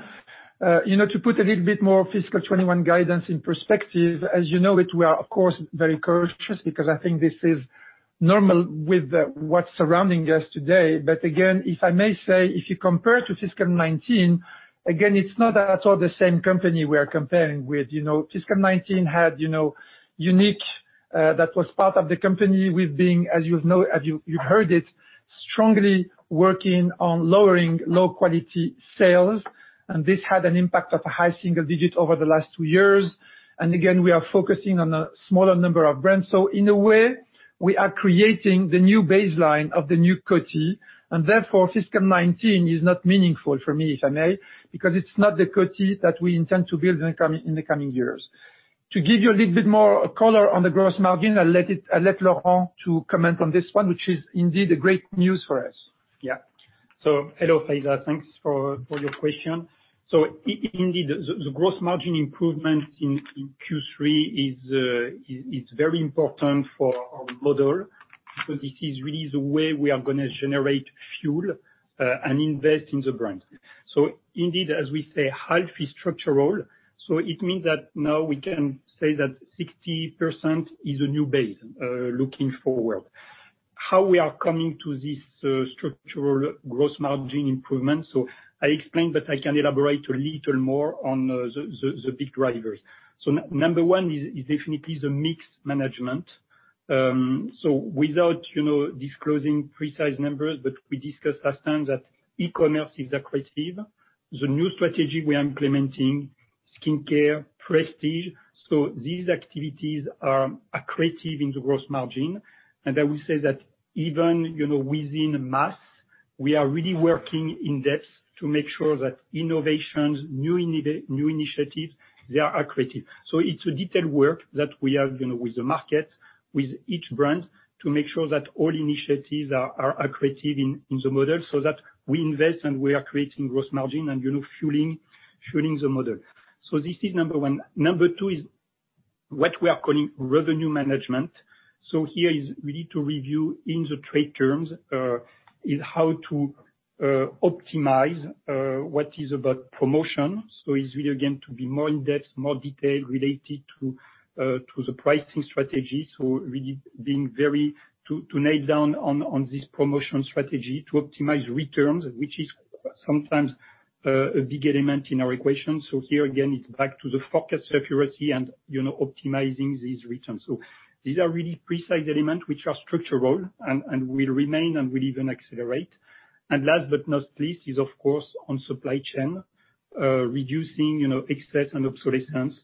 to put a little bit more fiscal 2021 guidance in perspective, as you know it, we are of course very cautious because I think this is normal with what's surrounding us today. Again, if I may say, if you compare to fiscal 2019, again, it's not at all the same company we are comparing with. Fiscal 2019 had Younique, that was part of the company with being, as you've heard it, strongly working on lowering low-quality sales, and this had an impact of a high single digit over the last two years. Again, we are focusing on a smaller number of brands. In a way, we are creating the new baseline of the new Coty, and therefore fiscal 2019 is not meaningful for me, if I may, because it is not the Coty that we intend to build in the coming years. To give you a little bit more color on the gross margin, I will let Laurent to comment on this one, which is indeed great news for us. Yeah. Hello, Faiza. Thanks for your question. Indeed, the gross margin improvement in Q3 is very important for our model because this is really the way we are going to generate fuel and invest in the brands. Indeed, as we say, half is structural, so it means that now we can say that 60% is a new base, looking forward. How we are coming to this structural gross margin improvement. I explained, but I can elaborate a little more on the big drivers. Number one is definitely the mix management. Without disclosing precise numbers, but we discussed last time that e-commerce is accretive. The new strategy we are implementing, skincare, prestige, these activities are accretive in the gross margin. I will say that even within mass, we are really working in depth to make sure that innovations, new initiatives, they are accretive. It's a detailed work that we have with the market, with each brand, to make sure that all initiatives are accretive in the model, so that we invest and we are creating gross margin and fueling the model. This is number one. Number two is what we are calling revenue management. Here is we need to review in the trade terms, is how to optimize what is about promotion. It's really again to be more in depth, more detailed related to the pricing strategy. Really to nail down on this promotion strategy to optimize returns, which is sometimes a big element in our equation. Here again, it's back to the focus accuracy and optimizing these returns. These are really precise elements which are structural and will remain and will even accelerate. Last but not least is, of course, on supply chain, reducing excess and obsolescence.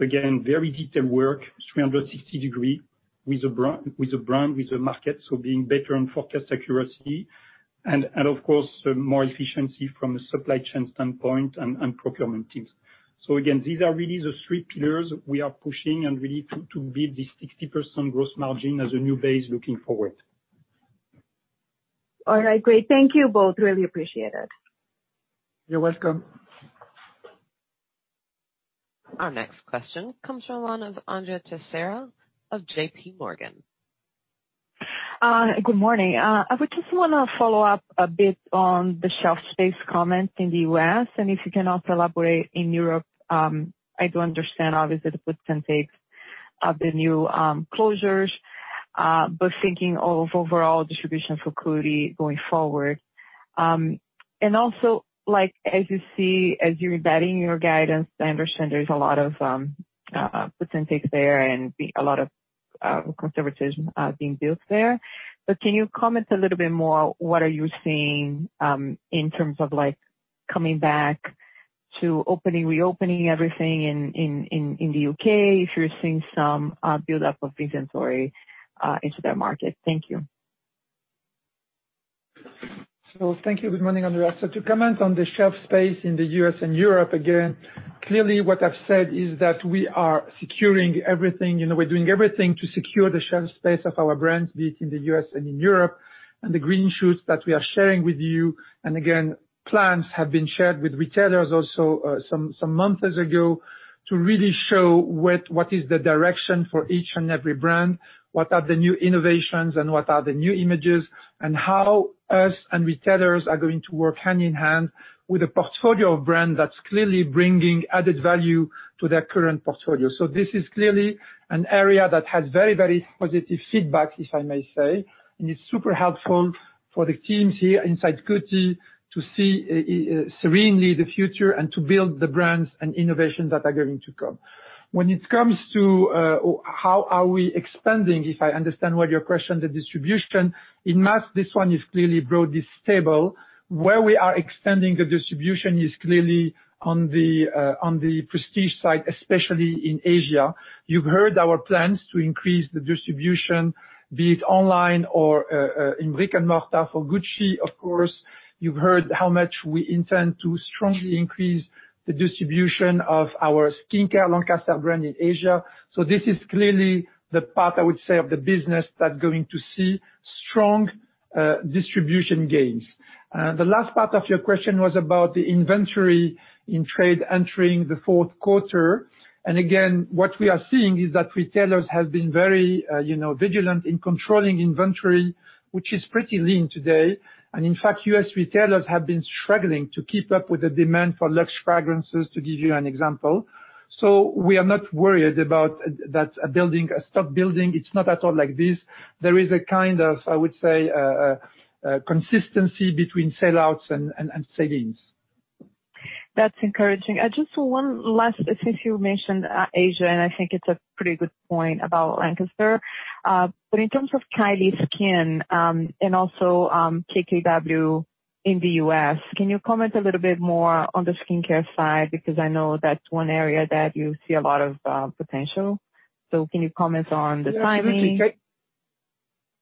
Again, very detailed work, 360-degree with the brand, with the market. Being better on forecast accuracy and, of course, more efficiency from a supply chain standpoint and procurement teams. Again, these are really the three pillars we are pushing and really to build this 60% gross margin as a new base looking forward. All right, great. Thank you both. Really appreciate it. You're welcome. Our next question comes from line of Andrea Teixeira of JPMorgan. Good morning. I would just want to follow up a bit on the shelf space comments in the U.S., and if you can also elaborate in Europe. I do understand, obviously, the puts and takes of the new closures, but thinking of overall distribution for Coty going forward. Also, as you see, as you're embedding your guidance, I understand there's a lot of puts and takes there and a lot of conservatism being built there. Can you comment a little bit more, what are you seeing in terms of coming back to reopening everything in the U.K.? If you're seeing some buildup of inventory into that market. Thank you. Thank you. Good morning, Andrea. To comment on the shelf space in the U.S. and Europe, again, clearly what I've said is that we are securing everything. We're doing everything to secure the shelf space of our brands, be it in the U.S. and in Europe, and the green shoots that we are sharing with you. Again, plans have been shared with retailers also some months ago to really show what is the direction for each and every brand, what are the new innovations and what are the new images, and how us and retailers are going to work hand in hand with a portfolio of brands that's clearly bringing added value to their current portfolio. This is clearly an area that has very positive feedback, if I may say, and it's super helpful for the teams here inside Coty to see serenely the future and to build the brands and innovations that are going to come. When it comes to how are we expanding, if I understand well your question, the distribution, in mass, this one is clearly broad, is stable. Where we are extending the distribution is clearly on the prestige side, especially in Asia. You've heard our plans to increase the distribution, be it online or in brick-and-mortar for Gucci, of course. You've heard how much we intend to strongly increase the distribution of our skincare Lancaster brand in Asia. This is clearly the part, I would say, of the business that are going to see strong distribution gains. The last part of your question was about the inventory in trade entering the fourth quarter. Again, what we are seeing is that retailers have been very vigilant in controlling inventory, which is pretty lean today. In fact, U.S. retailers have been struggling to keep up with the demand for luxury fragrances, to give you an example. We are not worried about that stock building. It's not at all like this. There is a kind of, I would say, consistency between sell-outs and sell-ins. That's encouraging. Just one last, since you mentioned Asia, and I think it's a pretty good point about Lancaster. In terms of Kylie Skin, and also KKW in the U.S., can you comment a little bit more on the skincare side? Because I know that's one area that you see a lot of potential. Can you comment on the timing? Yeah,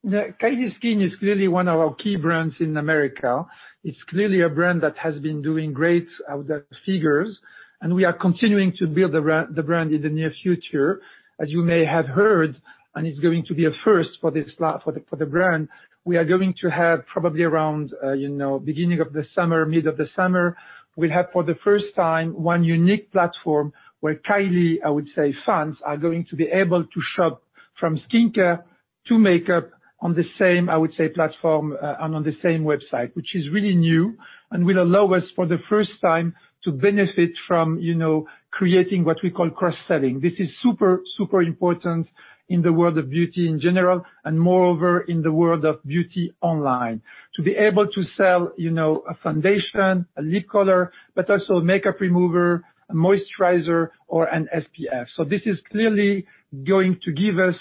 absolutely. Kylie Skin is clearly one of our key brands in America. It's clearly a brand that has been doing great out there figures, and we are continuing to build the brand in the near future. As you may have heard, and it's going to be a first for the brand, we are going to have probably around beginning of the summer, mid of the summer, we'll have, for the first time, one unique platform where Kylie, I would say, fans are going to be able to shop from skincare- two makeup on the same, I would say, platform and on the same website, which is really new and will allow us for the first time to benefit from creating what we call cross-selling. This is super important in the world of beauty in general, and moreover in the world of beauty online. To be able to sell, a foundation, a lip color, but also a makeup remover, a moisturizer or an SPF. This is clearly going to give us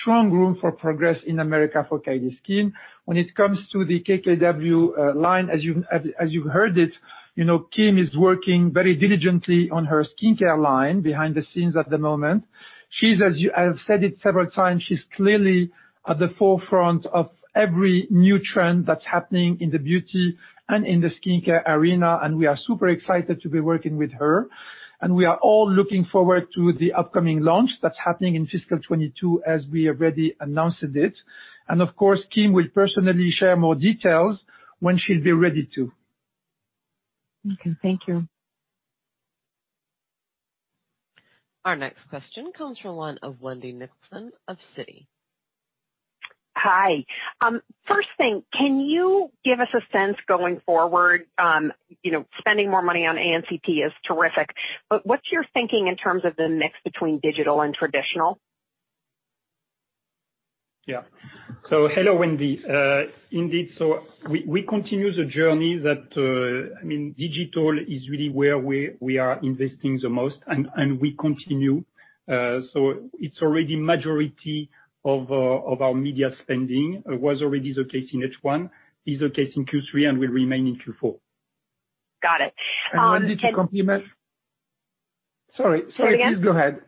strong room for progress in America for Kylie Skin. When it comes to the KKW line, as you've heard it, Kim is working very diligently on her skincare line behind the scenes at the moment. I've said it several times, she's clearly at the forefront of every new trend that's happening in the beauty and in the skincare arena, and we are super excited to be working with her, and we are all looking forward to the upcoming launch that's happening in fiscal 2022, as we already announced it. Of course, Kim will personally share more details when she'll be ready to. Okay. Thank you. Our next question comes from the line of Wendy Nicholson of Citi. Hi. First thing, can you give us a sense going forward? Spending more money on A&CP is terrific, but what's your thinking in terms of the mix between digital and traditional? Yeah. Hello, Wendy. Indeed. We continue the journey that digital is really where we are investing the most, and we continue. It's already majority of our media spending, was already the case in H1, is the case in Q3, and will remain in Q4. Got it. Wendy, Sorry. Say it again. Please go ahead.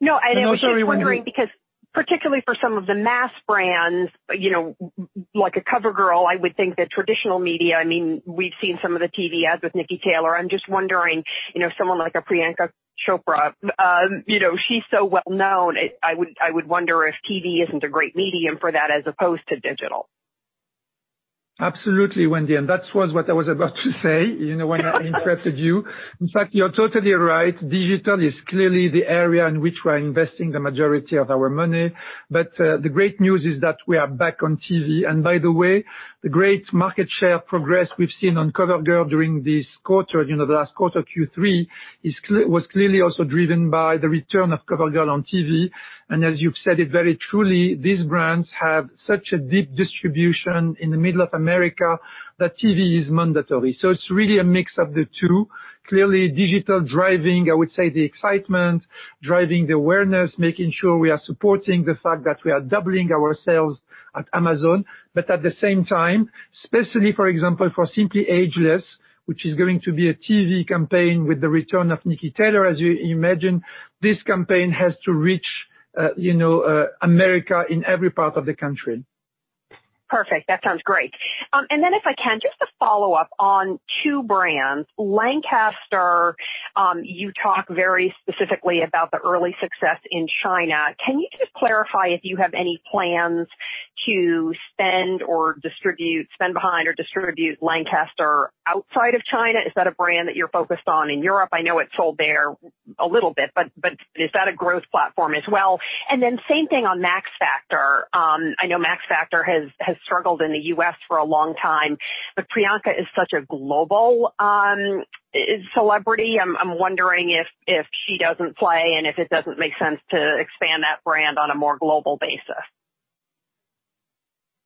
No, I was just wondering because particularly for some of the mass brands, like a CoverGirl, I would think that traditional media, we've seen some of the TV ads with Niki Taylor. I'm just wondering, someone like a Priyanka Chopra Jonas, she's so well-known, I would wonder if TV isn't a great medium for that as opposed to digital. Absolutely, Wendy, that was what I was about to say, when I interrupted you. In fact, you're totally right. Digital is clearly the area in which we're investing the majority of our money. The great news is that we are back on TV. By the way, the great market share progress we've seen on CoverGirl during this quarter, the last quarter, Q3, was clearly also driven by the return of CoverGirl on TV. As you've said it very truly, these brands have such a deep distribution in the middle of America that TV is mandatory. It's really a mix of the two. Clearly digital driving, I would say, the excitement, driving the awareness, making sure we are supporting the fact that we are doubling our sales at Amazon. At the same time, especially, for example, for Simply Ageless, which is going to be a TV campaign with the return of Niki Taylor, as you imagine, this campaign has to reach America in every part of the country. Perfect. That sounds great. Then if I can, just a follow-up on two brands. Lancaster, you talk very specifically about the early success in China. Can you just clarify if you have any plans to spend behind or distribute Lancaster outside of China? Is that a brand that you're focused on in Europe? I know it's sold there a little bit, but is that a growth platform as well? Then same thing on Max Factor. I know Max Factor has struggled in the U.S. for a long time, but Priyanka is such a global celebrity. I'm wondering if she doesn't play and if it doesn't make sense to expand that brand on a more global basis.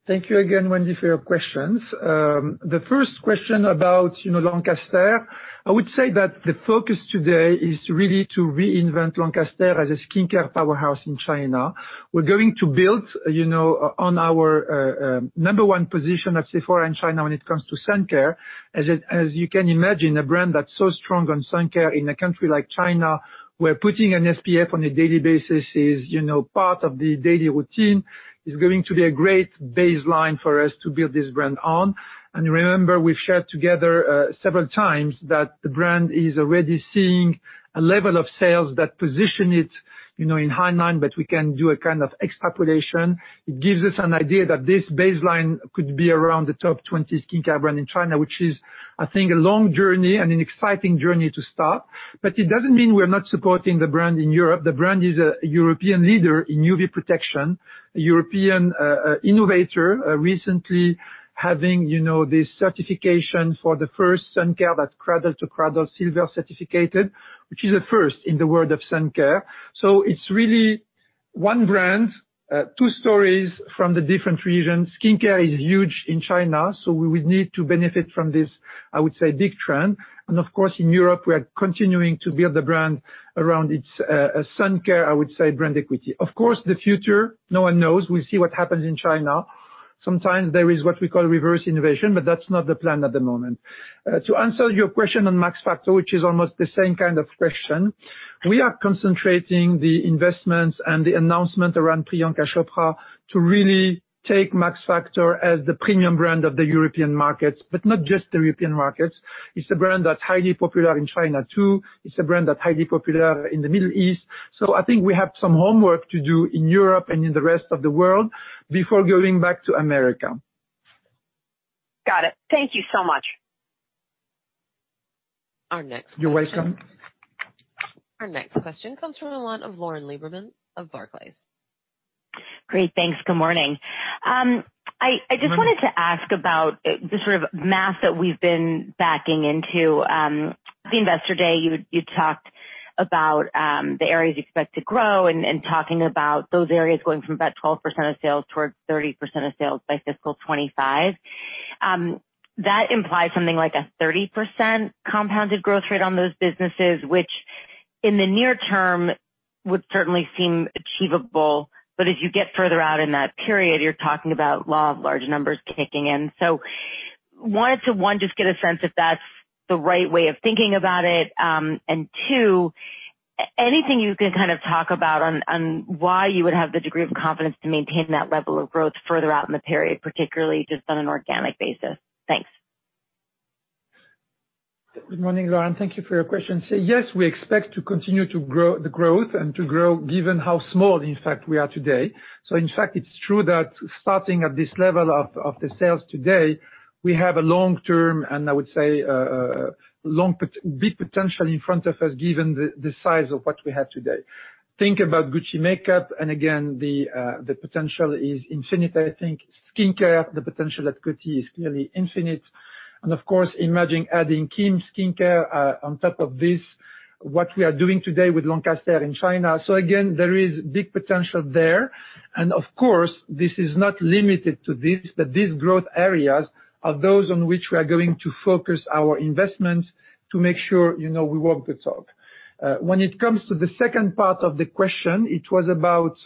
Thank you again, Wendy, for your questions. The first question about Lancaster, I would say that the focus today is really to reinvent Lancaster as a skincare powerhouse in China. We're going to build on our number one position at Sephora China when it comes to sun care. As you can imagine, a brand that's so strong on sun care in a country like China, where putting an SPF on a daily basis is part of the daily routine, is going to be a great baseline for us to build this brand on. Remember, we've shared together several times that the brand is already seeing a level of sales that position it in high nine, but we can do a kind of extrapolation. It gives us an idea that this baseline could be around the top 20 skincare brand in China, which is, I think, a long journey and an exciting journey to start. It doesn't mean we're not supporting the brand in Europe. The brand is a European leader in UV protection, a European innovator, recently having this certification for the first sun care that's Cradle to Cradle Silver certified, which is a first in the world of sun care. It's really one brand, two stories from the different regions. Skincare is huge in China, so we would need to benefit from this, I would say, big trend. Of course, in Europe, we are continuing to build the brand around its sun care, I would say, brand equity. Of course, the future, no one knows. We'll see what happens in China. Sometimes there is what we call reverse innovation, but that's not the plan at the moment. To answer your question on Max Factor, which is almost the same kind of question, we are concentrating the investments and the announcement around Priyanka Chopra to really take Max Factor as the premium brand of the European markets, but not just the European markets. It's a brand that's highly popular in China, too. It's a brand that's highly popular in the Middle East. I think we have some homework to do in Europe and in the rest of the world before going back to America. Got it. Thank you so much Our next question. You're welcome. Our next question comes from the line of Lauren Lieberman of Barclays. Great. Thanks. Good morning. I just wanted to ask about the sort of math that we've been backing into. At the investor day, you talked about the areas you expect to grow and talking about those areas going from about 12% of sales towards 30% of sales by FY 2025. That implies something like a 30% compounded growth rate on those businesses, which, in the near term, would certainly seem achievable. As you get further out in that period, you're talking about law of large numbers kicking in. One, just get a sense if that's the right way of thinking about it, and two, anything you can kind of talk about on why you would have the degree of confidence to maintain that level of growth further out in the period, particularly just on an organic basis? Thanks. Good morning, Lauren. Thank you for your question. Yes, we expect to continue the growth and to grow given how small, in fact, we are today. In fact, it's true that starting at this level of the sales today, we have a long term, and I would say, big potential in front of us given the size of what we have today. Think about Gucci makeup, again, the potential is infinite. I think skincare, the potential at Coty is clearly infinite. Of course, imagine adding KKW Beauty on top of this, what we are doing today with Lancaster in China. Again, there is big potential there. Of course, this is not limited to this, these growth areas are those on which we are going to focus our investments to make sure we walk the talk. When it comes to the second part of the question, it was about,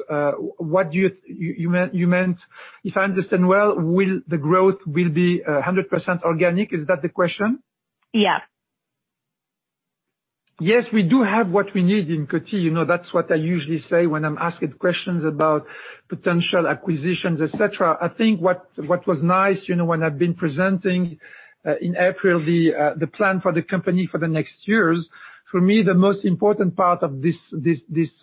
you meant, if I understand well, will the growth will be 100% organic? Is that the question? Yes. Yes, we do have what we need in Coty. That's what I usually say when I'm asked questions about potential acquisitions, et cetera. I think what was nice when I've been presenting, in April, the plan for the company for the next years, for me, the most important part of this,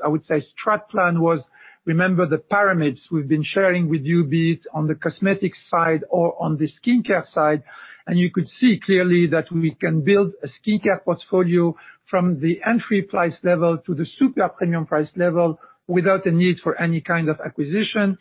I would say, strat plan was remember the pyramids we've been sharing with you, be it on the cosmetics side or on the skincare side, and you could see clearly that we can build a skincare portfolio from the entry price level to the super premium price level without the need for any kind of acquisition.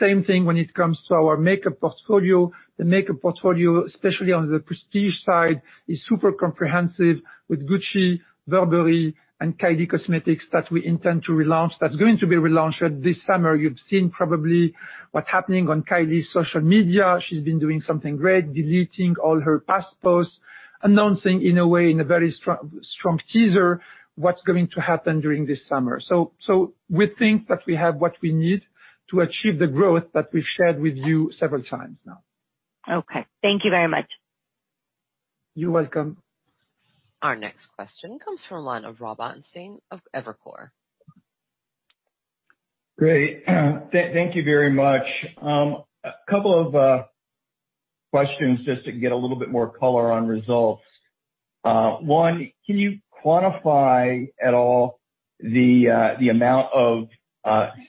Same thing when it comes to our makeup portfolio. The makeup portfolio, especially on the prestige side, is super comprehensive with Gucci, Burberry, and Kylie Cosmetics that we intend to relaunch. That's going to be relaunched this summer. You've seen probably what's happening on Kylie's social media. She's been doing something great, deleting all her past posts, announcing in a way, in a very strong teaser, what's going to happen during this summer. We think that we have what we need to achieve the growth that we've shared with you several times now. Okay. Thank you very much. You're welcome. Our next question comes from the line of Robert Ottenstein of Evercore. Great. Thank you very much. A couple of questions just to get a little bit more color on results. One, can you quantify at all the amount of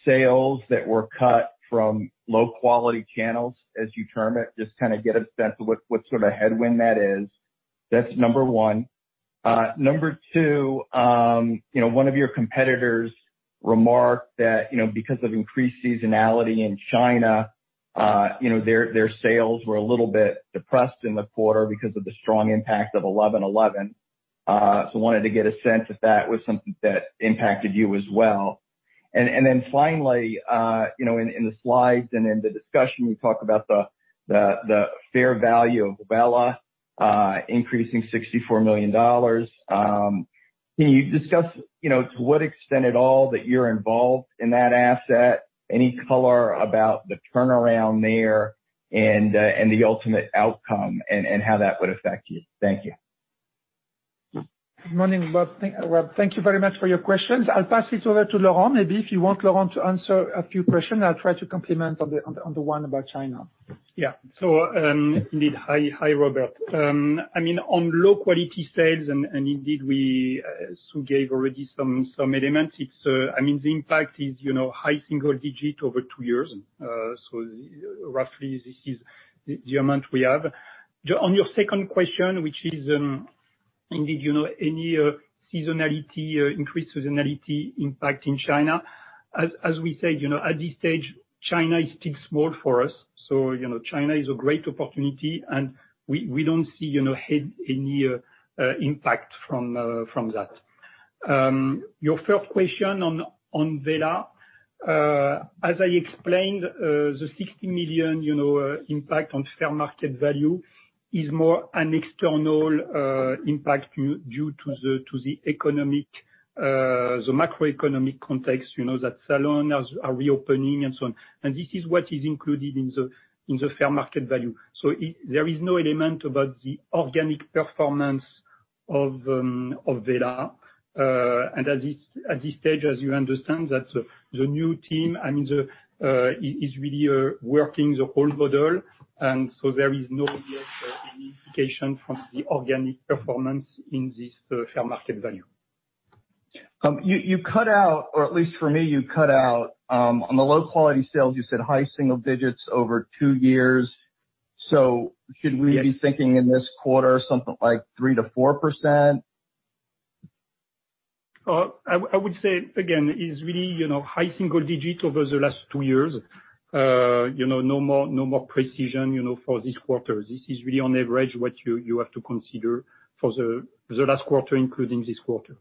sales that were cut from low-quality channels, as you term it? Just kind of get a sense of what sort of headwind that is. That's number one. Number two, one of your competitors remarked that because of increased seasonality in China, their sales were a little bit depressed in the quarter because of the strong impact of 11/11. Wanted to get a sense if that was something that impacted you as well. Finally, in the slides and in the discussion, you talk about the fair value of Wella increasing $64 million. Can you discuss to what extent at all that you're involved in that asset, any color about the turnaround there and the ultimate outcome and how that would affect you? Thank you. Good morning, Robert. Thank you very much for your questions. I'll pass it over to Laurent. Maybe if you want Laurent to answer a few questions, I'll try to complement on the one about China. Yeah. Indeed, hi, Robert. On low-quality sales, indeed, we gave already some elements. The impact is high single digit over two years. Roughly, this is the amount we have. On your second question, which is indeed any increased seasonality impact in China, as we said, at this stage, China is still small for us. China is a great opportunity, and we don't see any impact from that. Your first question on Wella, as I explained, the $60 million impact on fair market value is more an external impact due to the macroeconomic context, that salons are reopening and so on. This is what is included in the fair market value. There is no element about the organic performance of Wella. At this stage, as you understand, the new team is really working the whole model. There is no obvious implication from the organic performance in this fair market value. You cut out, or at least for me, you cut out on the low-quality sales, you said high single digits over two years. Should we be thinking in this quarter something like 3%-4%? I would say again, it's really high single digits over the last two years. No more precision for this quarter. This is really on average what you have to consider for the last quarter, including this quarter.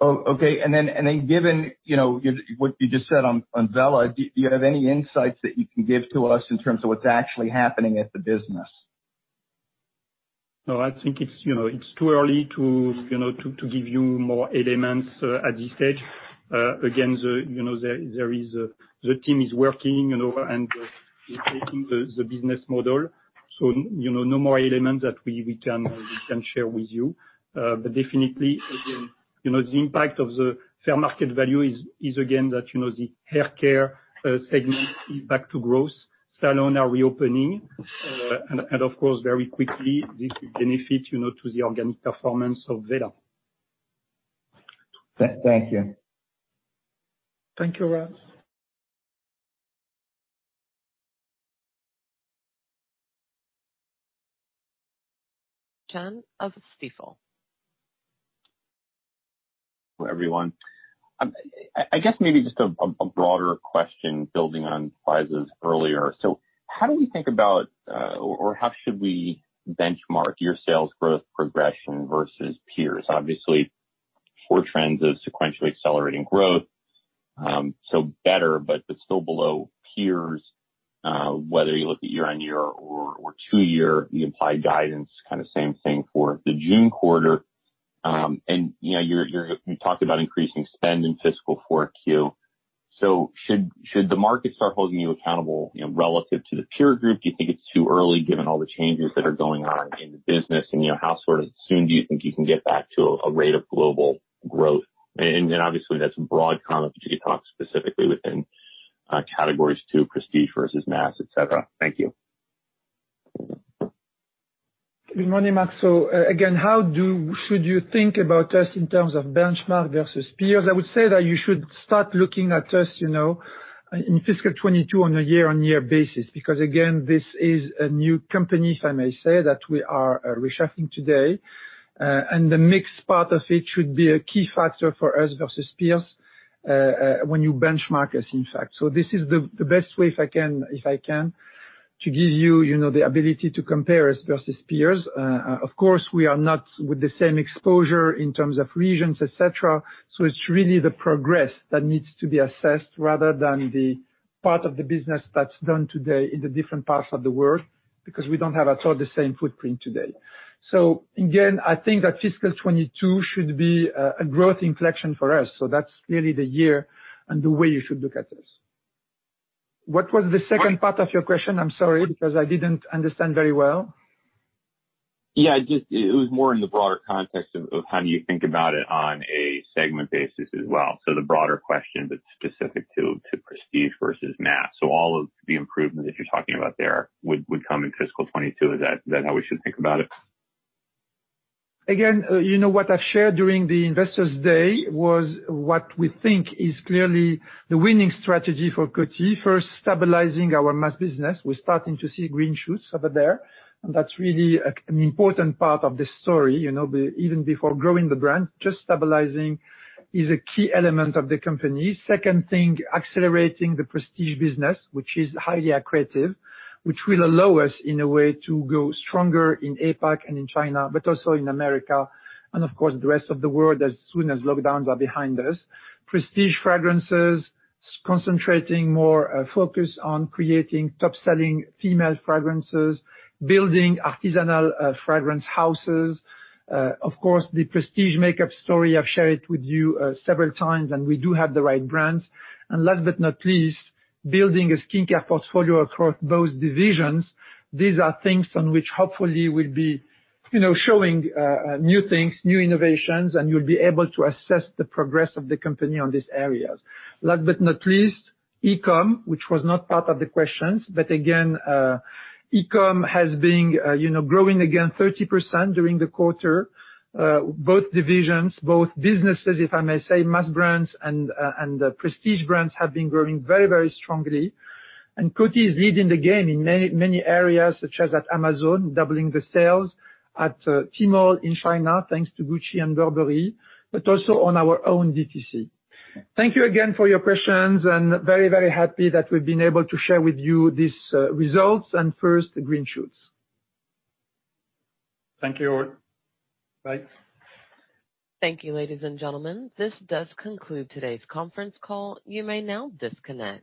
Oh, okay. Given what you just said on Wella, do you have any insights that you can give to us in terms of what's actually happening at the business? No, I think it's too early to give you more elements at this stage. Again, the team is working and recreating the business model. No more elements that we can share with you. Definitely, again, the impact of the fair market value is, again, that the haircare segment is back to growth. Salons are reopening. Of course, very quickly, this will benefit to the organic performance of Wella. Thank you. Thank you, Rob. Mark Astrachan of Stifel. Everyone. I guess maybe just a broader question building on Faiza's earlier. How do we think about, or how should we benchmark your sales growth progression versus peers? Obviously, for trends of sequentially accelerating growth, better, but still below peers, whether you look at year-over-year or two-year, the implied guidance, kind of same thing for the June quarter. You talked about increasing spend in fiscal 4Q. Should the market start holding you accountable relative to the peer group? Do you think it's too early given all the changes that are going on in the business? How sort of soon do you think you can get back to a rate of global growth? Obviously that's a broad comment, but could you talk specifically within categories too, prestige versus mass, et cetera? Thank you. Good morning, Mark. Again, how should you think about us in terms of benchmark versus peers? I would say that you should start looking at us in fiscal 2022 on a year-on-year basis. Because again, this is a new company, if I may say, that we are reshuffling today. The mix part of it should be a key factor for us versus peers, when you benchmark us, in fact. This is the best way, if I can, to give you the ability to compare us versus peers. Of course, we are not with the same exposure in terms of regions, et cetera, so it's really the progress that needs to be assessed rather than the part of the business that's done today in the different parts of the world, because we don't have at all the same footprint today. Again, I think that fiscal 2022 should be a growth inflection for us, so that's really the year and the way you should look at this. What was the second part of your question? I'm sorry because I didn't understand very well. Yeah, it was more in the broader context of how do you think about it on a segment basis as well. The broader question, but specific to prestige versus mass. All of the improvements that you're talking about there would come in fiscal 2022. Is that how we should think about it? Again, what I've shared during the Investor Day was what we think is clearly the winning strategy for Coty. First, stabilizing our mass business. We're starting to see green shoots over there, and that's really an important part of this story. Even before growing the brand, just stabilizing is a key element of the company. Second thing, accelerating the prestige business, which is highly accretive, which will allow us in a way to grow stronger in APAC and in China, but also in America and of course, the rest of the world as soon as lockdowns are behind us. Prestige fragrances, concentrating more focus on creating top-selling female fragrances, building artisanal fragrance houses. Of course, the prestige makeup story, I've shared with you several times, and we do have the right brands. Last but not least, building a skincare portfolio across both divisions. These are things on which hopefully we'll be showing new things, new innovations, and you'll be able to assess the progress of the company on these areas. Last but not least, e-com, which was not part of the questions. Again, e-com has been growing again 30% during the quarter. Both divisions, both businesses, if I may say, mass brands and prestige brands, have been growing very, very strongly. Coty is leading the game in many areas, such as at Amazon, doubling the sales at Tmall in China, thanks to Gucci and Burberry, but also on our own DTC. Thank you again for your questions, and very, very happy that we've been able to share with you these results and first, the green shoots. Thank you all. Bye. Thank you, ladies and gentlemen. This does conclude today's conference call. You may now disconnect.